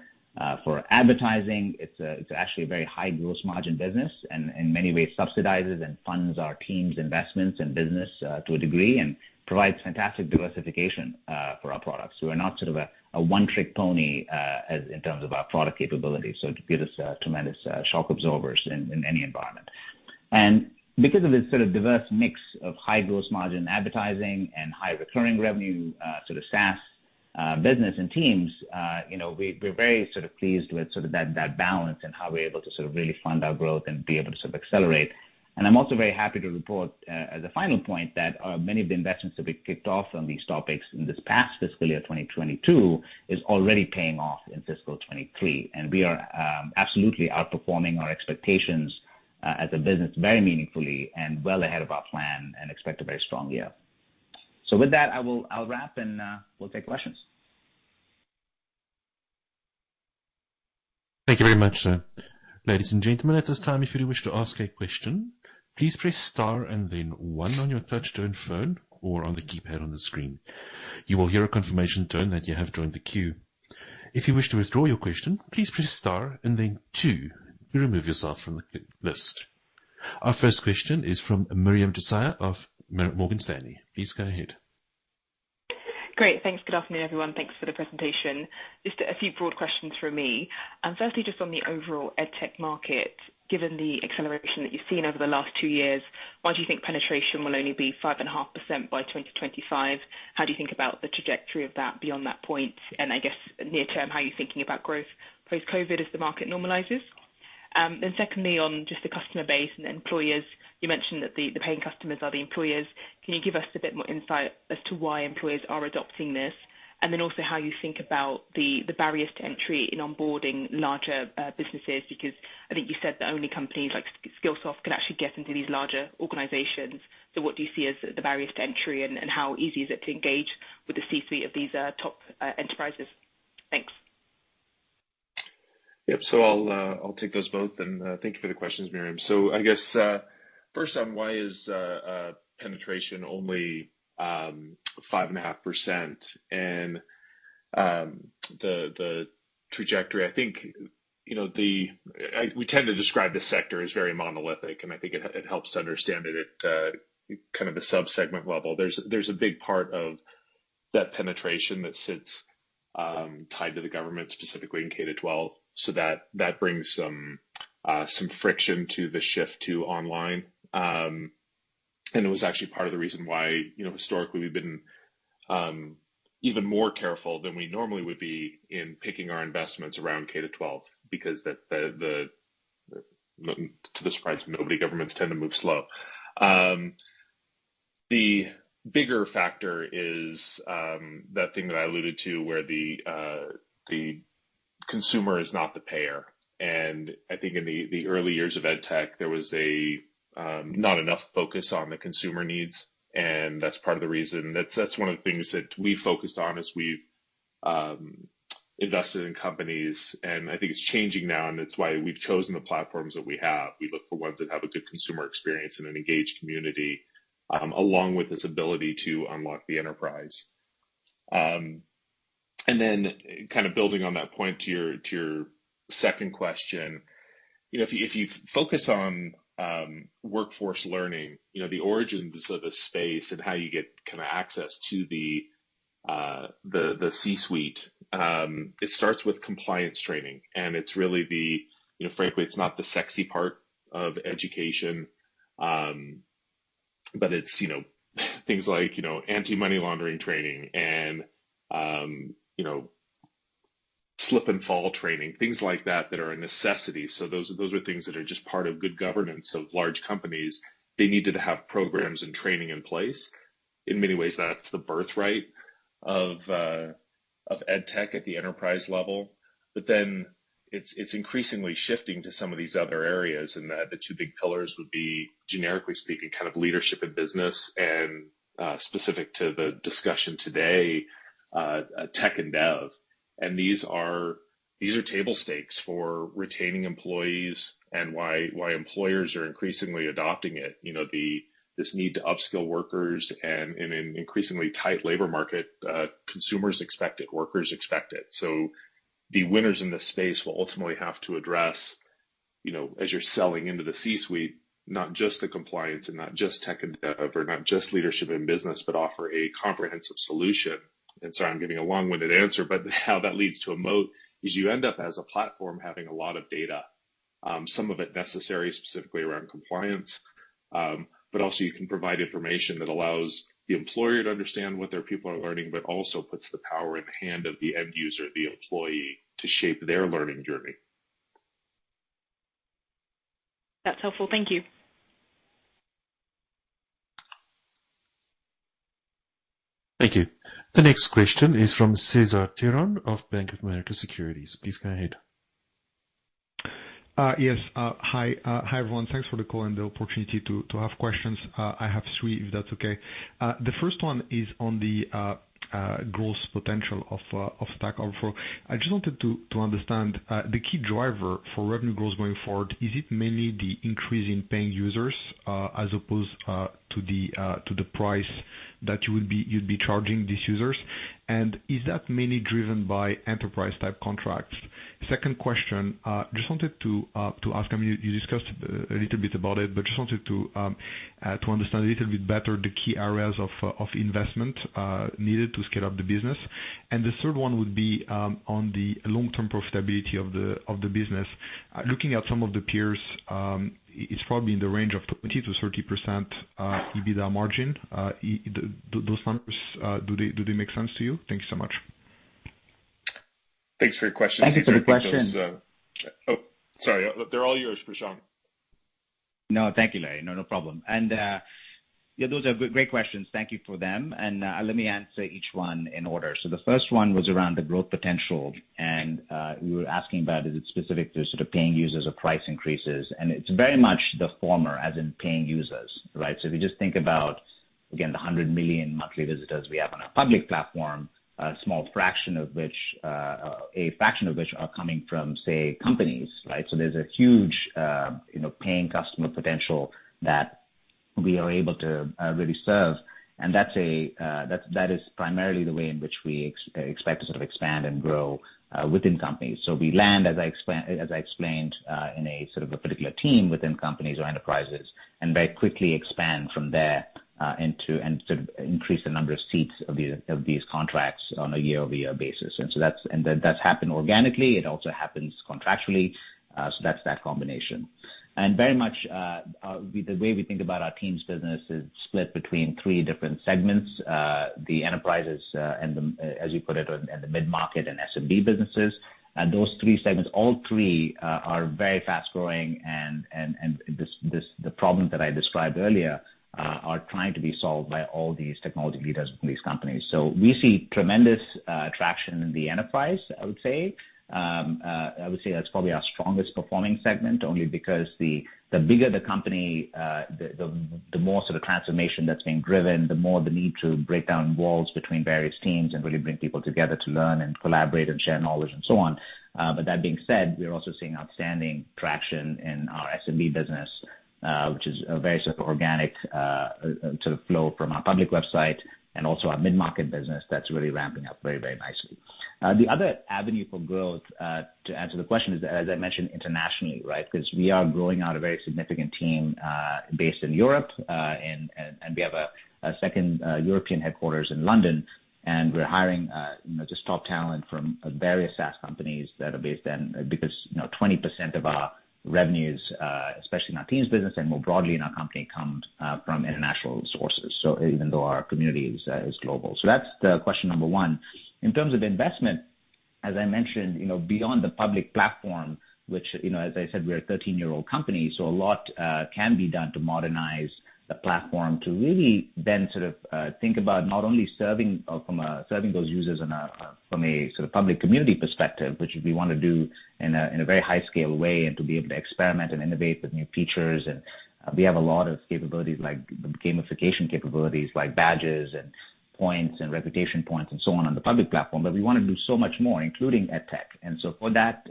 For advertising, it's actually a very high gross margin business and in many ways subsidizes and funds our Teams investments and business, to a degree, and provides fantastic diversification for our products. We are not sort of a one-trick pony, as in terms of our product capability. It gives us tremendous shock absorbers in any environment. Because of this sort of diverse mix of high gross margin advertising and high recurring revenue, sort of SaaS business and Teams, you know, we're very sort of pleased with that balance and how we're able to sort of really fund our growth and be able to sort of accelerate. I'm also very happy to report, as a final point, that many of the investments that we kicked off on these topics in this past fiscal year, 2022, is already paying off in fiscal 2023. We are absolutely outperforming our expectations as a business very meaningfully and well ahead of our plan and expect a very strong year. With that, I'll wrap and we'll take questions. Thank you very much, sir. Ladies and gentlemen, at this time, if you wish to ask a question, please press star and then one on your touchtone phone or on the keypad on the screen. You will hear a confirmation tone that you have joined the queue. If you wish to withdraw your question, please press star and then two to remove yourself from the list. Our first question is from Miriam Josiah of Morgan Stanley. Please go ahead. Great. Thanks. Good afternoon, everyone. Thanks for the presentation. Just a few broad questions from me. Firstly, just on the overall EdTech market, given the acceleration that you've seen over the last two years, why do you think penetration will only be 5.5% by 2025? How do you think about the trajectory of that beyond that point? I guess near term, how are you thinking about growth post-COVID as the market normalizes? Then secondly, on just the customer base and employers, you mentioned that the paying customers are the employers. Can you give us a bit more insight as to why employers are adopting this? Then also how you think about the barriers to entry in onboarding larger businesses? Because I think you said that only companies like Skillsoft can actually get into these larger organizations. What do you see as the barriers to entry, and how easy is it to engage with the C-suite of these top enterprises? Thanks. I'll take those both. Thanks for the questions, Miriam. I guess first on why is penetration only 5.5% and the trajectory. I think you know we tend to describe this sector as very monolithic, and I think it helps to understand it at kind of a sub-segment level. There's a big part of that penetration that sits tied to the government, specifically in K-12. That brings some friction to the shift to online. It was actually part of the reason why you know historically we've been even more careful than we normally would be in picking our investments around K-12 because to the surprise of nobody governments tend to move slow. The bigger factor is that thing that I alluded to where the consumer is not the payer. I think in the early years of EdTech, there was not enough focus on the consumer needs. That's part of the reason. That's one of the things that we focused on as we've invested in companies, and I think it's changing now and it's why we've chosen the platforms that we have. We look for ones that have a good consumer experience and an engaged community, along with this ability to unlock the enterprise. Then kind of building on that point to your second question. You know, if you focus on workforce learning, you know, the origins of the space and how you get kind of access to the C-suite, it starts with compliance training. It's really the. You know, frankly, it's not the sexy part of education. But it's, you know, things like, you know, anti-money laundering training and, you know, slip and fall training, things like that that are a necessity. Those are things that are just part of good governance of large companies. They need to have programs and training in place. In many ways, that's the birth right of EdTech at the enterprise level. It's increasingly shifting to some of these other areas in that the two big pillars would be, generically speaking, kind of leadership and business and, specific to the discussion today, tech and dev. These are table stakes for retaining employees and why employers are increasingly adopting it. You know, this need to upskill workers and in an increasingly tight labor market, consumers expect it, workers expect it. The winners in this space will ultimately have to address, you know, as you're selling into the C-suite, not just the compliance and not just tech and dev or not just leadership and business, but offer a comprehensive solution. I'm giving a long-winded answer, but how that leads to a moat is you end up as a platform having a lot of data, some of it necessary specifically around compliance. But also you can provide information that allows the employer to understand what their people are learning, but also puts the power in the hand of the end user, the employee, to shape their learning journey. That's helpful. Thank you. Thank you. The next question is from Cesar Tiron of Bank of America Securities. Please go ahead. Yes, hi. Hi, everyone. Thanks for the call and the opportunity to ask questions. I have three, if that's okay. The first one is on the growth potential of Stack Overflow. I just wanted to understand the key driver for revenue growth going forward, is it mainly the increase in paying users as opposed to the price that you'd be charging these users? Is that mainly driven by enterprise type contracts? Second question, just wanted to ask, I mean, you discussed a little bit about it, but just wanted to understand a little bit better the key areas of investment needed to scale up the business. The third one would be on the long-term profitability of the business. Looking at some of the peers, it's probably in the range of 20%-30% EBITDA margin. Do those numbers make sense to you? Thank you so much. Thanks for your question, Cesar. Thank you for the question. Oh, sorry. They're all yours, Prashanth. No, thank you, Larry. No, no problem. Yeah, those are great questions. Thank you for them. Let me answer each one in order. The first one was around the growth potential, and you were asking about is it specific to sort of paying users or price increases? It's very much the former, as in paying users, right? If you just think about, again, the 100 million monthly visitors we have on our public platform, a small fraction of which are coming from, say, companies, right? There's a huge, you know, paying customer potential that we are able to really serve. And that's that is primarily the way in which we expect to sort of expand and grow within companies. We land, as I explained, in a sort of a particular team within companies or enterprises, and very quickly expand from there, into and sort of increase the number of seats of these contracts on a year-over-year basis. That's happened organically. It also happens contractually. That's that combination. Very much, with the way we think about our teams business is split between three different segments. The enterprises, and the, as you put it, and the mid-market and SMB businesses. Those three segments, all three, are very fast-growing, and this, the problems that I described earlier, are trying to be solved by all these technology leaders in these companies. We see tremendous traction in the enterprise, I would say. I would say that's probably our strongest performing segment, only because the bigger the company, the more sort of transformation that's being driven, the more the need to break down walls between various teams and really bring people together to learn and collaborate and share knowledge and so on. But that being said, we are also seeing outstanding traction in our SMB business, which is a very sort of organic sort of flow from our public website and also our mid-market business that's really ramping up very, very nicely. The other avenue for growth to answer the question is, as I mentioned internationally, right? Because we are growing out a very significant team based in Europe, and we have a second European headquarters in London, and we're hiring, you know, just top talent from various SaaS companies that are based in. Because, you know, 20% of our revenues, especially in our teams business and more broadly in our company, comes from international sources. Even though our community is global. That's the question number one. In terms of investment, as I mentioned, you know, beyond the public platform, which, you know, as I said, we're a 13-year-old company, so a lot can be done to modernize the platform to really then sort of think about not only serving those users on a from a sort of public community perspective, which we wanna do in a in a very high scale way, and to be able to experiment and innovate with new features. We have a lot of capabilities like gamification capabilities, like badges and points and reputation points and so on on the public platform. We wanna do so much more, including EdTech. For that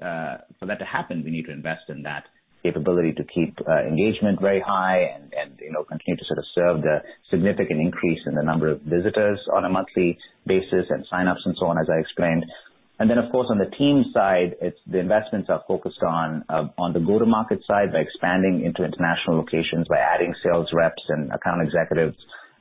to happen, we need to invest in that capability to keep engagement very high and, you know, continue to sort of serve the significant increase in the number of visitors on a monthly basis and signups and so on, as I explained. Of course, on the team side, it's the investments are focused on the go-to-market side by expanding into international locations, by adding sales reps and account executives,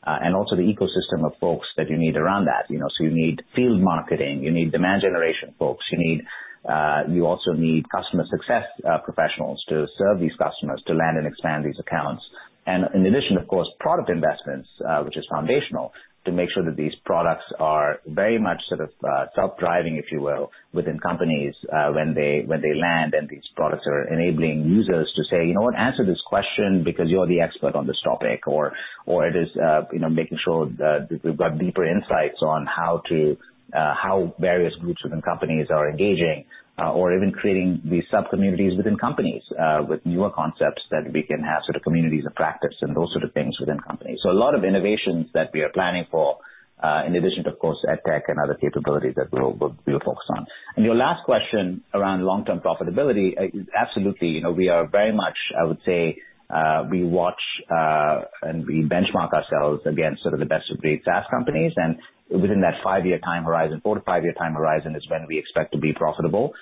and also the ecosystem of folks that you need around that. You know, so you need field marketing, you need demand generation folks. You also need customer success professionals to serve these customers, to land and expand these accounts. In addition, of course, product investments, which is foundational to make sure that these products are very much sort of self-driving, if you will, within companies, when they land. These products are enabling users to say, "You know what? Answer this question because you're the expert on this topic." Or it is, you know, making sure that we've got deeper insights on how various groups within companies are engaging or even creating these subcommunities within companies, with newer concepts that we can have sort of communities of practice and those sort of things within companies. A lot of innovations that we are planning for, in addition, of course, EdTech and other capabilities that we're focused on. Your last question around long-term profitability, absolutely. You know, we are very much, I would say, we watch, and we benchmark ourselves against sort of the best of breed SaaS companies. Within that five-year time horizon, four to five-year time horizon is when we expect to be profitable,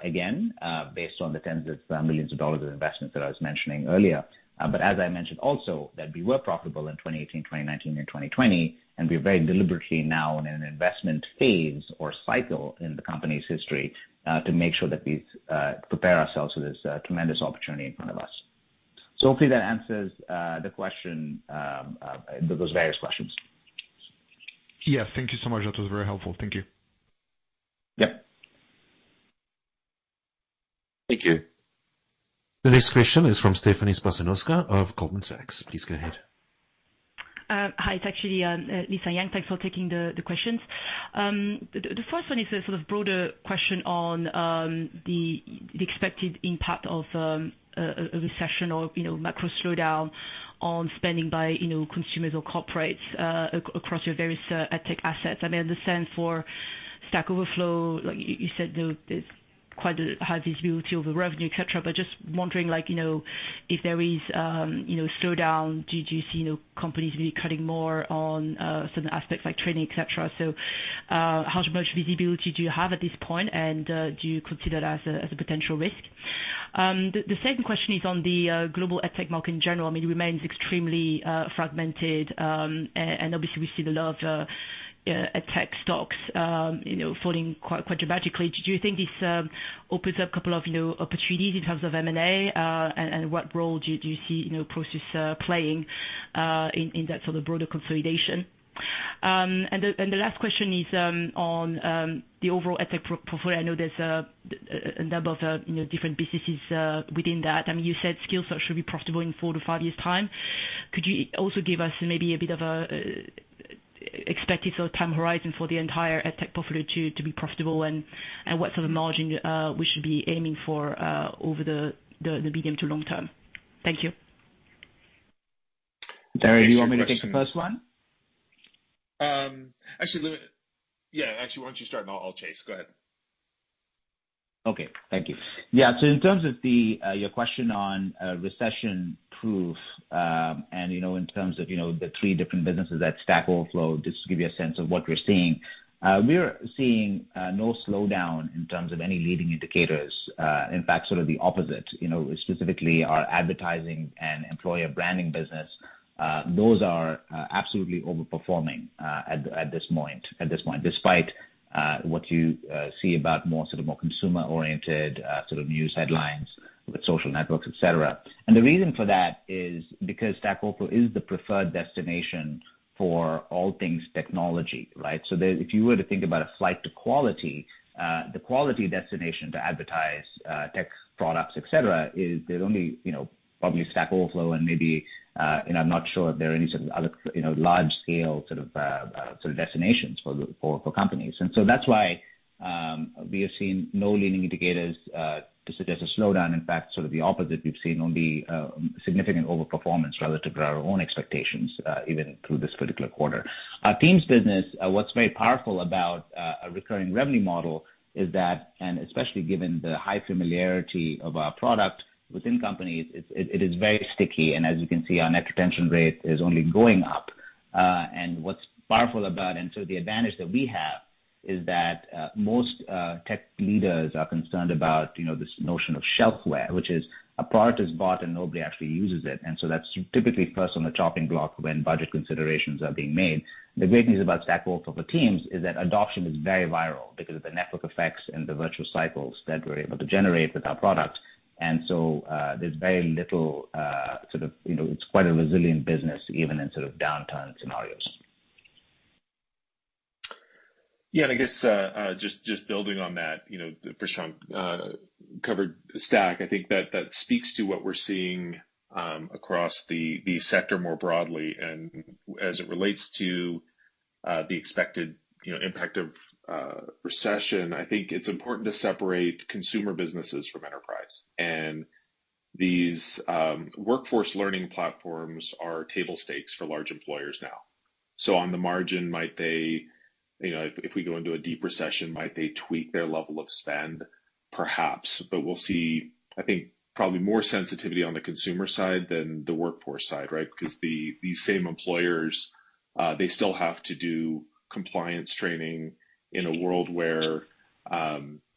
again, based on the tens of millions of dollars of investment that I was mentioning earlier. As I mentioned also that we were profitable in 2018, 2019 and 2020, and we're very deliberately now in an investment phase or cycle in the company's history, to make sure that we prepare ourselves for this tremendous opportunity in front of us. Hopefully that answers the question, those various questions. Yeah. Thank you so much. That was very helpful. Thank you. Yeah. Thank you. The next question is from Stephanie Spanoska of Goldman Sachs. Please go ahead. It's actually Lisa Yang. Thanks for taking the questions. The first one is a sort of broader question on the expected impact of a recession or, you know, macro slowdown on spending by, you know, consumers or corporates across your various tech assets. I mean, I understand for Stack Overflow, like you said there's quite a high visibility over revenue, et cetera, but just wondering, like, you know, if there is, you know, slowdown, do you see, you know, companies really cutting more on certain aspects like training, et cetera? How much visibility do you have at this point? Do you consider that as a potential risk? The second question is on the global EdTech market in general. I mean, it remains extremely fragmented, and obviously we see a lot of EdTech stocks, you know, falling quite dramatically. Do you think this opens up a couple of new opportunities in terms of M&A? And what role do you see, you know, Prosus playing in that sort of broader consolidation? And the last question is on the overall EdTech portfolio. I know there's a number of, you know, different businesses within that. I mean, you said Skillshare should be profitable in four to five years' time. Could you also give us maybe a bit of an expected sort of time horizon for the entire EdTech portfolio to be profitable? What sort of margin we should be aiming for over the medium-to-long-term? Thank you. Larry, do you want me to take the first one? Yeah, actually, why don't you start and I'll chase. Go ahead. Okay. Thank you. Yeah. In terms of your question on recession-proof, and you know, in terms of the three different businesses at Stack Overflow, just to give you a sense of what we're seeing. We're seeing no slowdown in terms of any leading indicators. In fact, sort of the opposite. You know, specifically our advertising and employer branding business, those are absolutely overperforming at this point. Despite what you see about more consumer-oriented sort of news headlines with social networks, et cetera. The reason for that is because Stack Overflow is the preferred destination for all things technology, right? The If you were to think about a flight to quality, the quality destination to advertise tech products, et cetera, is there's only, you know, probably Stack Overflow and maybe, you know, I'm not sure if there are any sort of other, you know, large scale sort of destinations for companies. That's why we have seen no leading indicators to suggest a slowdown. In fact, sort of the opposite. We've seen only significant overperformance relative to our own expectations, even through this particular quarter. Our Teams business, what's very powerful about a recurring revenue model is that, and especially given the high familiarity of our product within companies, it is very sticky. As you can see, our net retention rate is only going up. What's powerful about the advantage that we have is that most tech leaders are concerned about, you know, this notion of shelfware, which is a product is bought and nobody actually uses it. That's typically first on the chopping block when budget considerations are being made. The great news about Stack Overflow for Teams is that adoption is very viral because of the network effects and the virtuous cycles that we're able to generate with our product. There's very little sort of, you know, it's quite a resilient business even in sort of downturn scenarios. Yeah. I guess just building on that, you know, Prashant covered Stack. I think that speaks to what we're seeing across the sector more broadly. As it relates to the expected, you know, impact of recession, I think it's important to separate consumer businesses from enterprise. These workforce learning platforms are table stakes for large employers now. On the margin, might they, you know, if we go into a deep recession, tweak their level of spend? Perhaps. We'll see, I think, probably more sensitivity on the consumer side than the workforce side, right? Because the same employers, they still have to do compliance training in a world where,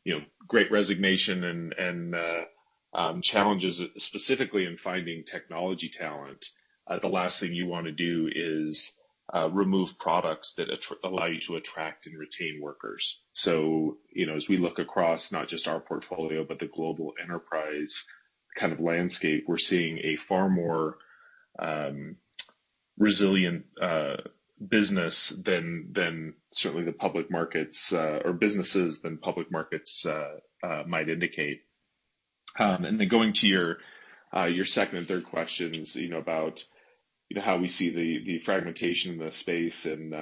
you know, Great Resignation and challenges specifically in finding technology talent. The last thing you wanna do is remove products that allow you to attract and retain workers. You know, as we look across not just our portfolio, but the global enterprise kind of landscape, we're seeing a far more resilient business than certainly the public markets or businesses than public markets might indicate. And then going to your second and third questions, you know, about, you know, how we see the fragmentation in the space and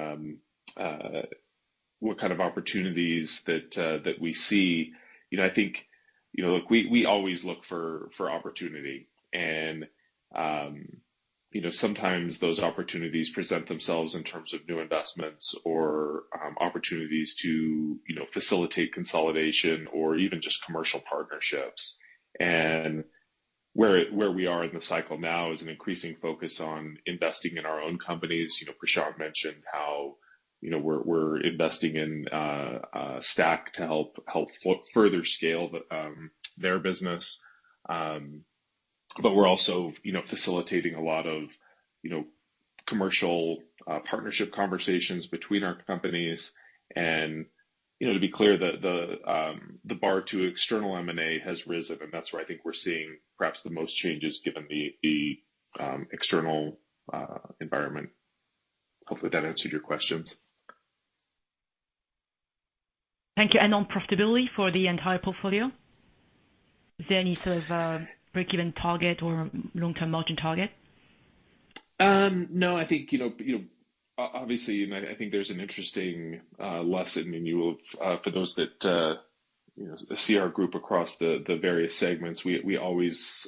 what kind of opportunities that we see. You know, I think, you know, look, we always look for opportunity. You know, sometimes those opportunities present themselves in terms of new investments or opportunities to, you know, facilitate consolidation or even just commercial partnerships. Where we are in the cycle now is an increasing focus on investing in our own companies. You know, Prashant mentioned how, you know, we're investing in Stack to help further scale their business. But we're also, you know, facilitating a lot of, you know, commercial partnership conversations between our companies and you know, to be clear, the bar to external M&A has risen, and that's where I think we're seeing perhaps the most changes given the external environment. Hopefully that answered your questions. Thank you. On profitability for the entire portfolio, is there any sort of break-even target or long-term margin target? No. I think, you know, obviously, I think there's an interesting lesson, and you will have. For those that, you know, see our group across the various segments, we always,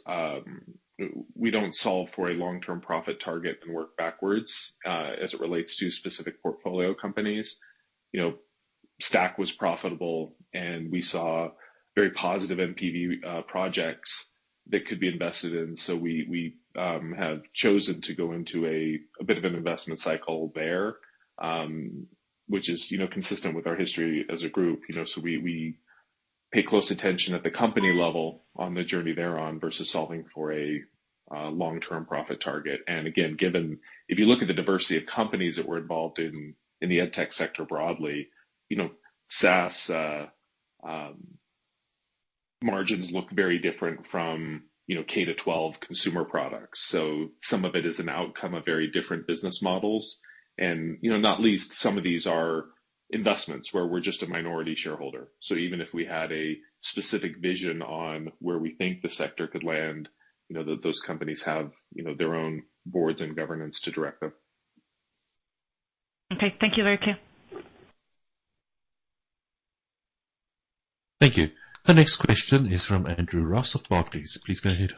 we don't solve for a long-term profit target and work backwards, as it relates to specific portfolio companies. You know, Stack was profitable, and we saw very positive NPV projects that could be invested in. We have chosen to go into a bit of an investment cycle there, which is, you know, consistent with our history as a group. You know, we pay close attention at the company level on the journey they're on versus solving for a long-term profit target. Again, given. If you look at the diversity of companies that we're involved in the EdTech sector broadly, you know, SaaS, margins look very different from, you know, K-12 consumer products. Some of it is an outcome of very different business models and, you know, not least some of these are investments where we're just a minority shareholder. Even if we had a specific vision on where we think the sector could land, you know, those companies have, you know, their own boards and governance to direct them. Okay. Thank you, very clear. Thank you. The next question is from Andrew Ross of Barclays. Please go ahead.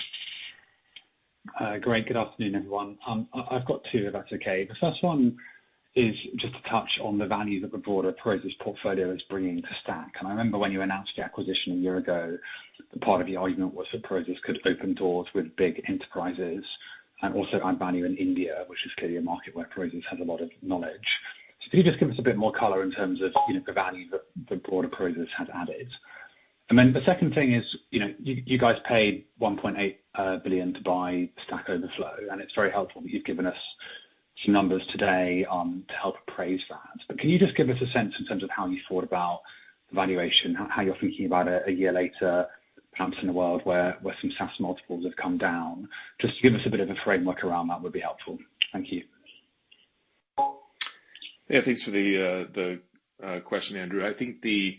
Great. Good afternoon, everyone. I've got two if that's okay. The first one is just to touch on the value that the broader Prosus portfolio is bringing to Stack. I remember when you announced the acquisition a year ago, part of the argument was that Prosus could open doors with big enterprises and also add value in India, which is clearly a market where Prosus has a lot of knowledge. Can you just give us a bit more color in terms of, you know, the value that the broader Prosus has added? Then the second thing is, you know, you guys paid $1.8 billion to buy Stack Overflow, and it's very helpful that you've given us some numbers today, to help appraise that. Can you just give us a sense in terms of how you thought about the valuation, how you're thinking about it a year later, perhaps in a world where some SaaS multiples have come down? Just to give us a bit of a framework around that would be helpful. Thank you. Yeah, thanks for the question, Andrew. I think the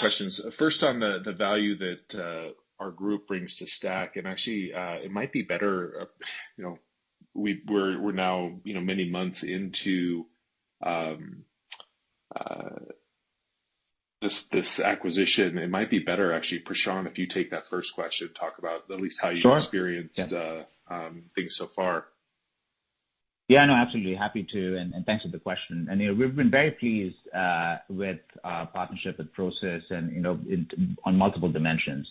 questions first on the value that our group brings to Stack, and actually, it might be better, you know, we're now, you know, many months into this acquisition. It might be better actually, Prashant, if you take that first question and talk about at least how you- Sure. experienced things so far. Yeah, no, absolutely. Happy to and thanks for the question. You know, we've been very pleased with our partnership with Prosus and, you know, in on multiple dimensions.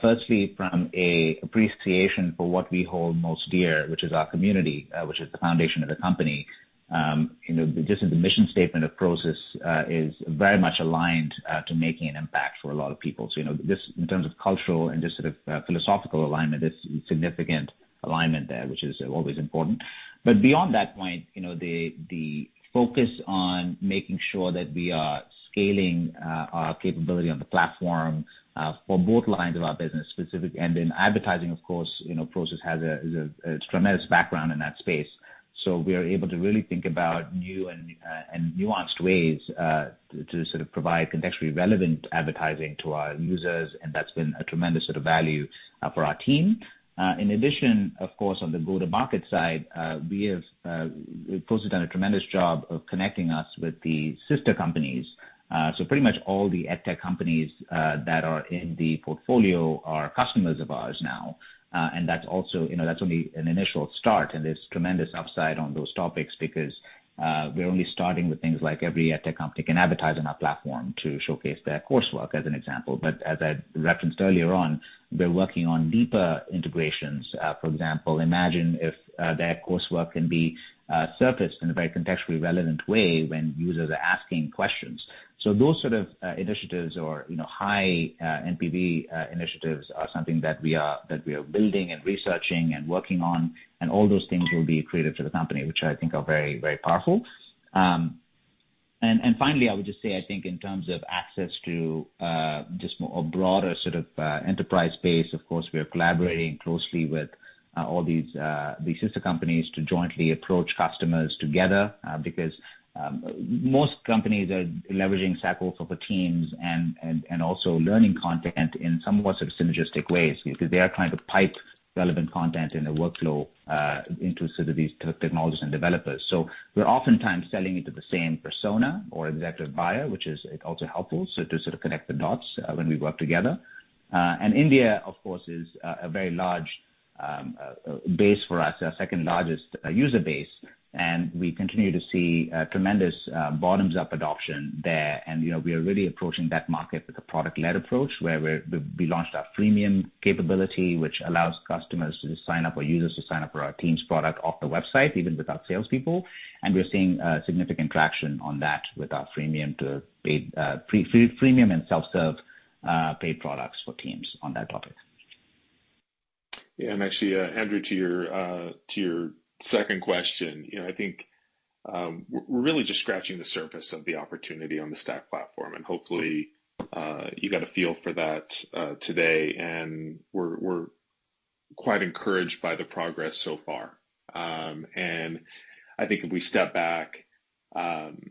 Firstly, from an appreciation for what we hold most dear, which is our community, which is the foundation of the company. You know, just the mission statement of Prosus is very much aligned to making an impact for a lot of people. You know, just in terms of cultural and just sort of philosophical alignment, there's significant alignment there, which is always important. Beyond that point, you know, the focus on making sure that we are scaling our capability on the platform for both lines of our business, specifically. In advertising, of course, you know, Prosus is a tremendous background in that space. We are able to really think about new and nuanced ways to sort of provide contextually relevant advertising to our users, and that's been a tremendous sort of value for our team. In addition, of course, on the go-to-market side, Prosus has done a tremendous job of connecting us with the sister companies. Pretty much all the EdTech companies that are in the portfolio are customers of ours now. That's also, you know, that's only an initial start, and there's tremendous upside on those topics because we're only starting with things like every EdTech company can advertise on our platform to showcase their coursework, as an example. As I referenced earlier on, we're working on deeper integrations. For example, imagine if their coursework can be surfaced in a very contextually relevant way when users are asking questions. Those sort of initiatives or, you know, high NPV initiatives are something that we are building and researching and working on, and all those things will be accretive to the company, which I think are very, very powerful. Finally, I would just say, I think in terms of access to just a broader sort of enterprise base, of course, we are collaborating closely with all these sister companies to jointly approach customers together. Because most companies are leveraging Stack Overflow for Teams and also learning content in somewhat synergistic ways because they are trying to pipe relevant content in their workflow into technologists and developers. We're oftentimes selling into the same persona or executive buyer, which is also helpful, so to sort of connect the dots when we work together. India, of course, is a very large base for us, our second-largest user base, and we continue to see tremendous bottoms-up adoption there. You know, we are really approaching that market with a product-led approach where we launched our freemium capability, which allows customers to sign up or users to sign up for our Teams product off the website, even without salespeople. We're seeing significant traction on that with our freemium to paid, freemium and self-serve paid products for teams on that topic. Yeah, actually, Andrew, to your second question, you know, I think we're really just scratching the surface of the opportunity on the Stack platform, and hopefully you got a feel for that today. We're quite encouraged by the progress so far. I think if we step back, you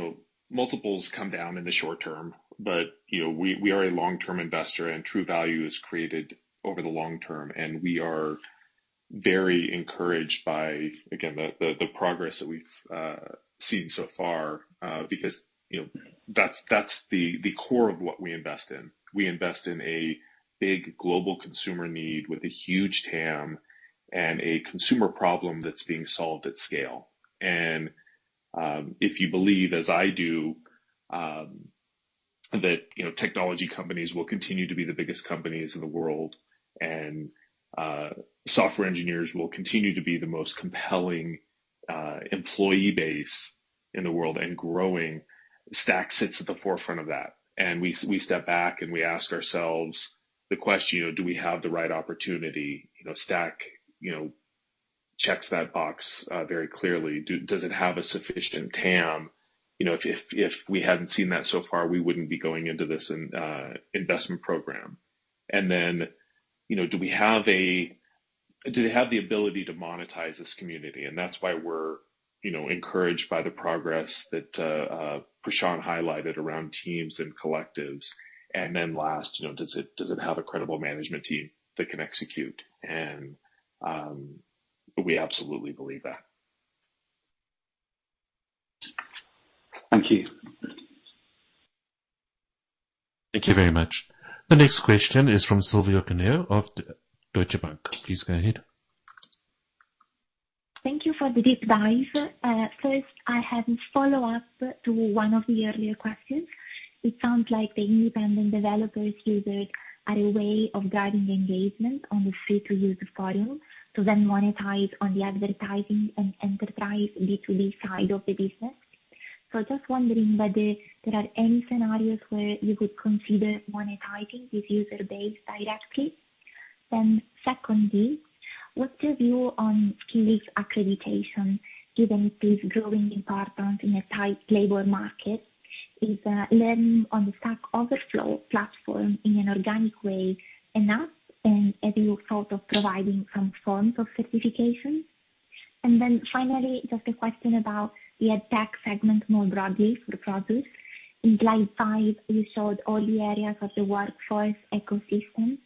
know, multiples come down in the short term, but you know, we are a long-term investor, and true value is created over the long term. We are very encouraged by, again, the progress that we've seen so far, because you know, that's the core of what we invest in. We invest in a big global consumer need with a huge TAM and a consumer problem that's being solved at scale. If you believe, as I do, that, you know, technology companies will continue to be the biggest companies in the world, and software engineers will continue to be the most compelling employee base in the world and growing, Stack sits at the forefront of that. We step back, and we ask ourselves the question, you know, do we have the right opportunity? You know, Stack, you know, checks that box very clearly. Does it have a sufficient TAM? You know, if we hadn't seen that so far, we wouldn't be going into this investment program. You know, do they have the ability to monetize this community? That's why we're, you know, encouraged by the progress that Prashant highlighted around teams and collectives. Last, you know, does it have a credible management team that can execute? We absolutely believe that. Thank you. Thank you very much. The next question is from Silvia Cuneo of Deutsche Bank. Please go ahead. Thank you for the deep dive. First I have a follow-up to one of the earlier questions. It sounds like the independent developers users are a way of driving engagement on the free-to-use model to then monetize on the advertising and enterprise B2B side of the business. Just wondering whether there are any scenarios where you could consider monetizing this user base directly. Secondly, what's your view on skills accreditation, given it is growing in part down in a tight labor market? Is learning on the Stack Overflow platform in an organic way enough, and have you thought of providing some forms of certification? Finally, just a question about the EdTech segment more broadly for Prosus. In slide five, you showed all the areas of the workforce ecosystem.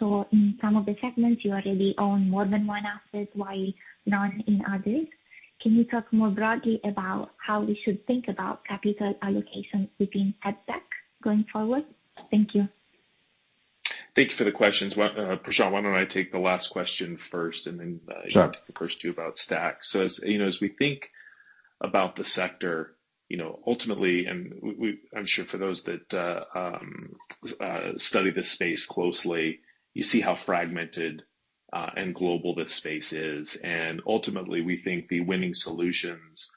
In some of the segments you already own more than one asset, while none in others. Can you talk more broadly about how we should think about capital allocation within EdTech going forward? Thank you. Thank you for the questions. Prashant, why don't I take the last question first and then. Sure. You take the first two about Stack. As you know, as we think about the sector, you know, ultimately we are sure for those that study this space closely, you see how fragmented and global this space is. Ultimately, we think the winning solutions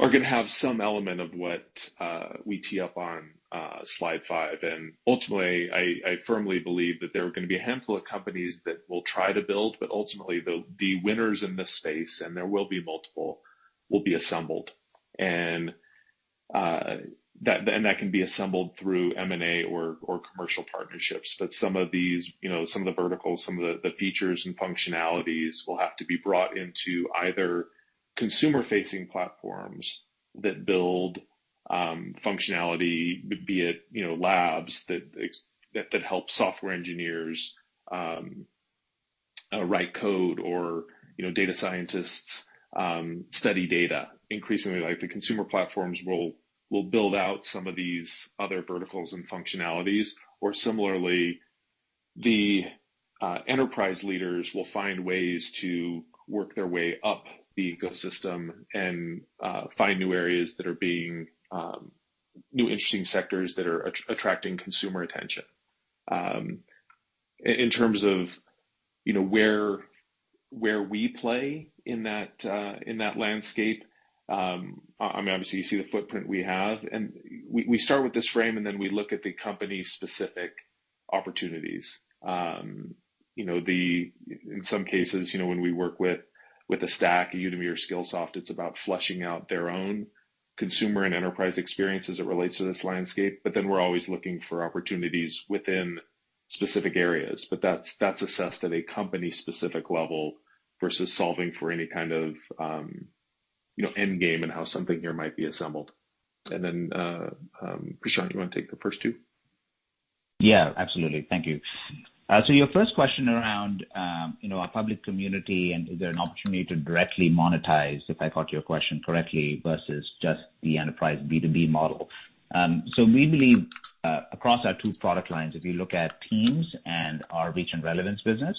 are gonna have some element of what we tee up on slide five. Ultimately, I firmly believe that there are gonna be a handful of companies that will try to build, but ultimately, the winners in this space, and there will be multiple, will be assembled. That can be assembled through M&A or commercial partnerships. Some of these, you know, some of the verticals, some of the features and functionalities will have to be brought into either consumer-facing platforms that build functionality, be it, you know, labs that help software engineers write code or, you know, data scientists study data. Increasingly, like the consumer platforms will build out some of these other verticals and functionalities. Similarly, the enterprise leaders will find ways to work their way up the ecosystem and find new areas that are being new interesting sectors that are attracting consumer attention. In terms of, you know, where we play in that landscape, and obviously you see the footprint we have. We start with this frame, and then we look at the company-specific opportunities. You know, the... In some cases, you know, when we work with a Stack, a Udemy, or Skillsoft, it's about fleshing out their own consumer and enterprise experience as it relates to this landscape, but then we're always looking for opportunities within specific areas. That's assessed at a company-specific level versus solving for any kind of, you know, end game and how something here might be assembled. Prashant, you wanna take the first two? Yeah, absolutely. Thank you. Your first question around, you know, our public community and is there an opportunity to directly monetize, if I caught your question correctly, versus just the enterprise B2B model. We believe, across our two product lines, if you look at Teams and our Reach and Relevance business.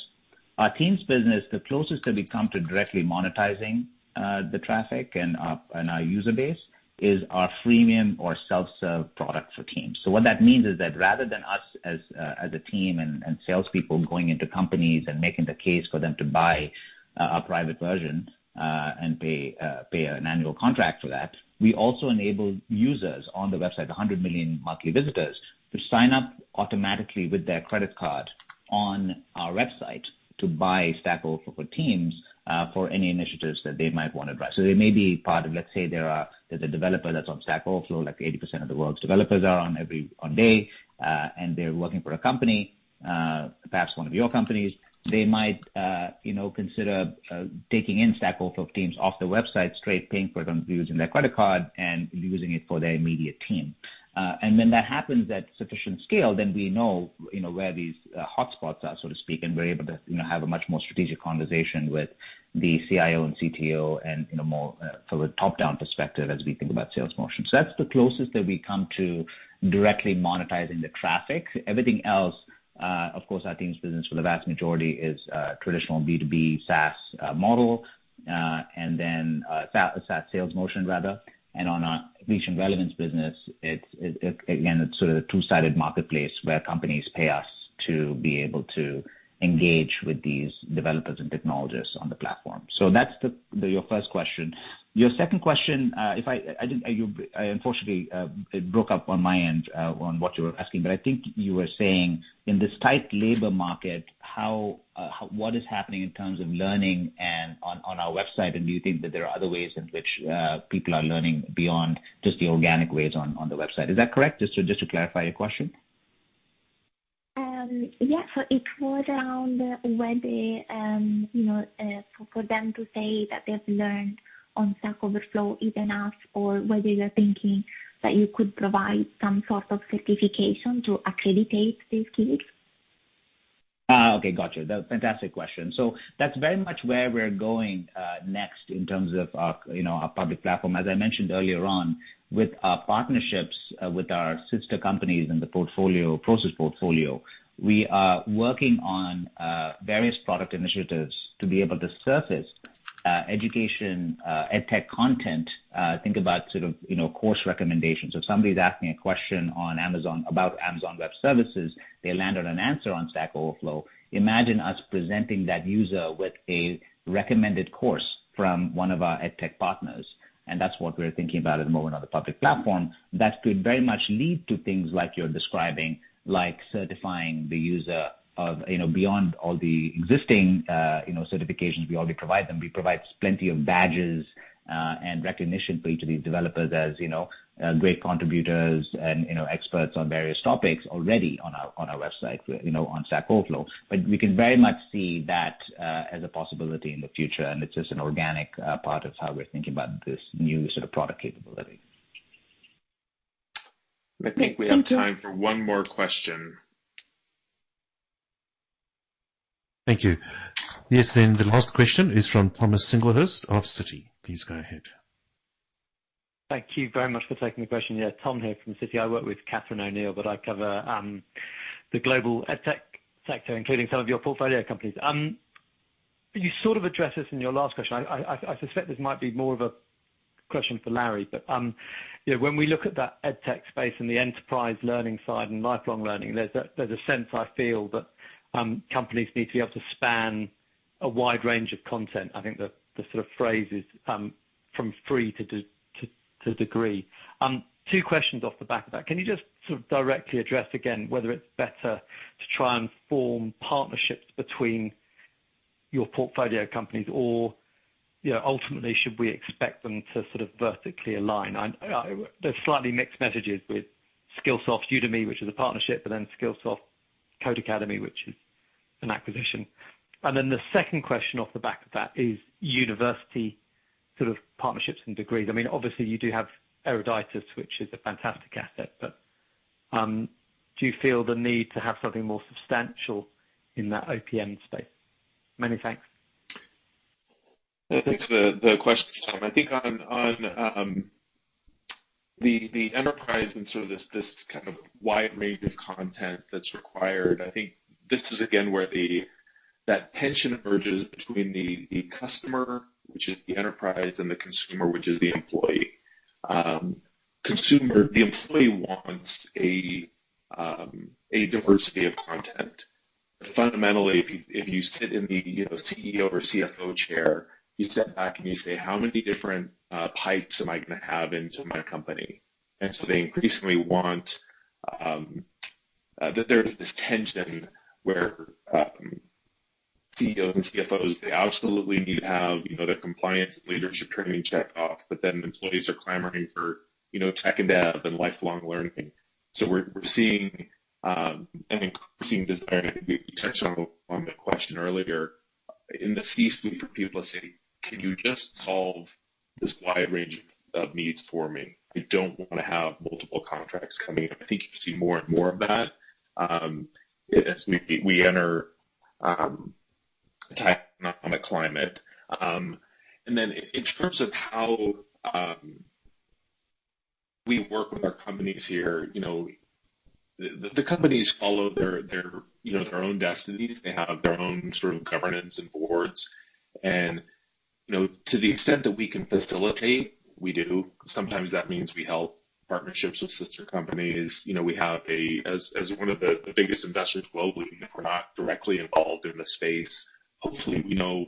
Our Teams business, the closest that we come to directly monetizing, the traffic and our user base is our freemium or self-serve product for Teams. What that means is that rather than us as a team and salespeople going into companies and making the case for them to buy a private version and pay an annual contract for that, we also enable users on the website, 100 million monthly visitors, to sign up automatically with their credit card on our website to buy Stack Overflow for Teams for any initiatives that they might wanna buy. They may be part of. Let's say there's a developer that's on Stack Overflow, like 80% of the world's developers are on every day, and they're working for a company, perhaps one of your companies. They might, you know, consider taking in Stack Overflow for Teams off the website straight, paying for them using their credit card and using it for their immediate team. When that happens at sufficient scale, then we know, you know, where these hotspots are, so to speak, and we're able to, you know, have a much more strategic conversation with the CIO and CTO and in a more sort of top-down perspective as we think about sales motion. That's the closest that we come to directly monetizing the traffic. Everything else, of course, our Teams business for the vast majority is traditional B2B SaaS model, and then SaaS sales motion rather. On our Reach and Relevance business, again, it's sort of two-sided marketplace where companies pay us to be able to engage with these developers and technologists on the platform. That's your first question. Your second question, unfortunately, it broke up on my end on what you were asking, but I think you were saying in this tight labor market, how what is happening in terms of learning and on our website? Do you think that there are other ways in which people are learning beyond just the organic ways on the website? Is that correct? Just to clarify your question. It was around whether, you know, for them to say that they've learned on Stack Overflow is enough, or whether you're thinking that you could provide some sort of certification to accredit these kids. Okay. Gotcha. Fantastic question. That's very much where we're going, next in terms of our, you know, our public platform. As I mentioned earlier on with our partnerships, with our sister companies in the Prosus portfolio, we are working on, various product initiatives to be able to surface, education, EdTech content. Think about sort of, you know, course recommendations. If somebody's asking a question on Amazon about Amazon Web Services, they land on an answer on Stack Overflow. Imagine us presenting that user with a recommended course from one of our EdTech partners, and that's what we're thinking about at the moment on the public platform. That could very much lead to things like you're describing, like certifying the user of, you know, beyond all the existing, you know, certifications we already provide them. We provide plenty of badges and recognition for each of these developers, as you know, great contributors and, you know, experts on various topics already on our website, you know, on Stack Overflow. We can very much see that as a possibility in the future, and it's just an organic part of how we're thinking about this new sort of product capability. Thank you. I think we have time for one more question. Thank you. Yes. The last question is from Thomas Singlehurst of Citi. Please go ahead. Thank you very much for taking the question. Yeah. Tom here from Citi. I work with Catherine O'Neill, but I cover the global EdTech sector, including some of your portfolio companies. You sort of addressed this in your last question. I suspect this might be more of a question for Larry, but you know, when we look at that EdTech space and the enterprise learning side and lifelong learning, there's a sense, I feel, that companies need to be able to span a wide range of content. I think the sort of phrase is from free to degree. Two questions off the back of that. Can you just sort of directly address again whether it's better to try and form partnerships between your portfolio companies or, you know, ultimately should we expect them to sort of vertically align? There's slightly mixed messages with Skillsoft, Udemy, which is a partnership, but then Skillsoft, Codecademy, which is an acquisition. The second question off the back of that is university sort of partnerships and degrees. I mean, obviously you do have Eruditus, which is a fantastic asset, but do you feel the need to have something more substantial in that OPM space? Many thanks. Thanks for the questions, Tom. I think on the enterprise and sort of this kind of wide range of content that's required, I think this is again where that tension emerges between the customer, which is the enterprise, and the consumer, which is the employee. The employee wants a diversity of content. Fundamentally, if you sit in the you know CEO or CFO chair, you sit back and you say, "How many different pipes am I gonna have into my company?" They increasingly want. There is this tension where CEOs and CFOs they absolutely need to have you know their compliance leadership training checked off, but then employees are clamoring for you know tech and dev and lifelong learning. We're seeing an increasing desire. I think you touched on the question earlier in the C-suite for people to say, "Can you just solve this wide range of needs for me? We don't wanna have multiple contracts coming in." I think you see more and more of that as we enter economic climate. In terms of how we work with our companies here. You know, the companies follow their own destinies. They have their own sort of governance and boards. You know, to the extent that we can facilitate, we do. Sometimes that means we help partnerships with sister companies. You know, we have as one of the biggest investors globally, if we're not directly involved in the space, hopefully we know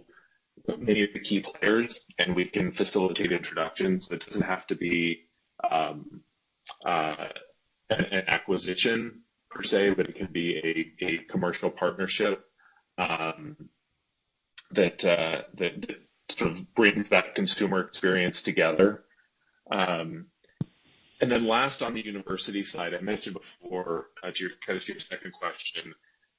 many of the key players, and we can facilitate introductions. That doesn't have to be an acquisition per se, but it can be a commercial partnership that sort of brings that consumer experience together. Then last on the university side, I mentioned before to your second question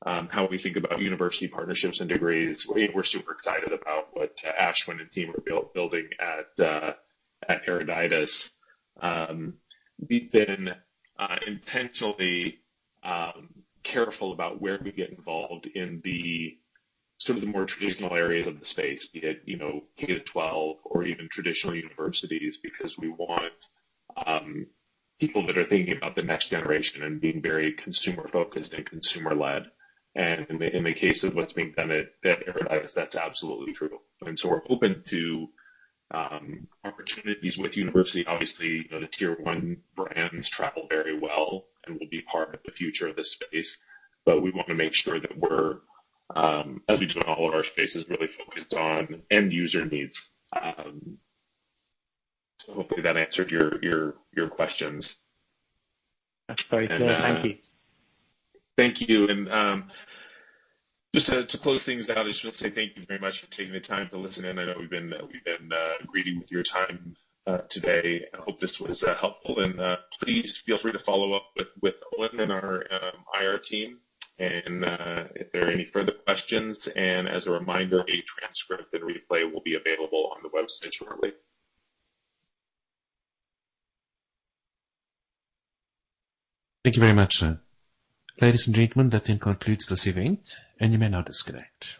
how we think about university partnerships and degrees. We're super excited about what Ashwin and team are building at Eruditus. We've been intentionally careful about where we get involved in sort of the more traditional areas of the space, be it you know K-12 or even traditional universities, because we want people that are thinking about the next generation and being very consumer-focused and consumer-led. In the case of what's being done at Eruditus, that's absolutely true. We're open to opportunities with university. Obviously, you know, the tier one brands travel very well and will be part of the future of this space. We wanna make sure that we're, as we do in all of our spaces, really focused on end user needs. Hopefully that answered your questions. That's very clear. Thank you. Thank you. Just to close things out, I just wanna say thank you very much for taking the time to listen in. I know we've been greedy with your time today. I hope this was helpful, and please feel free to follow up with Owen and our IR team and if there are any further questions. As a reminder, a transcript and replay will be available on the website shortly. Thank you very much. Ladies and gentlemen, that then concludes this event, and you may now disconnect.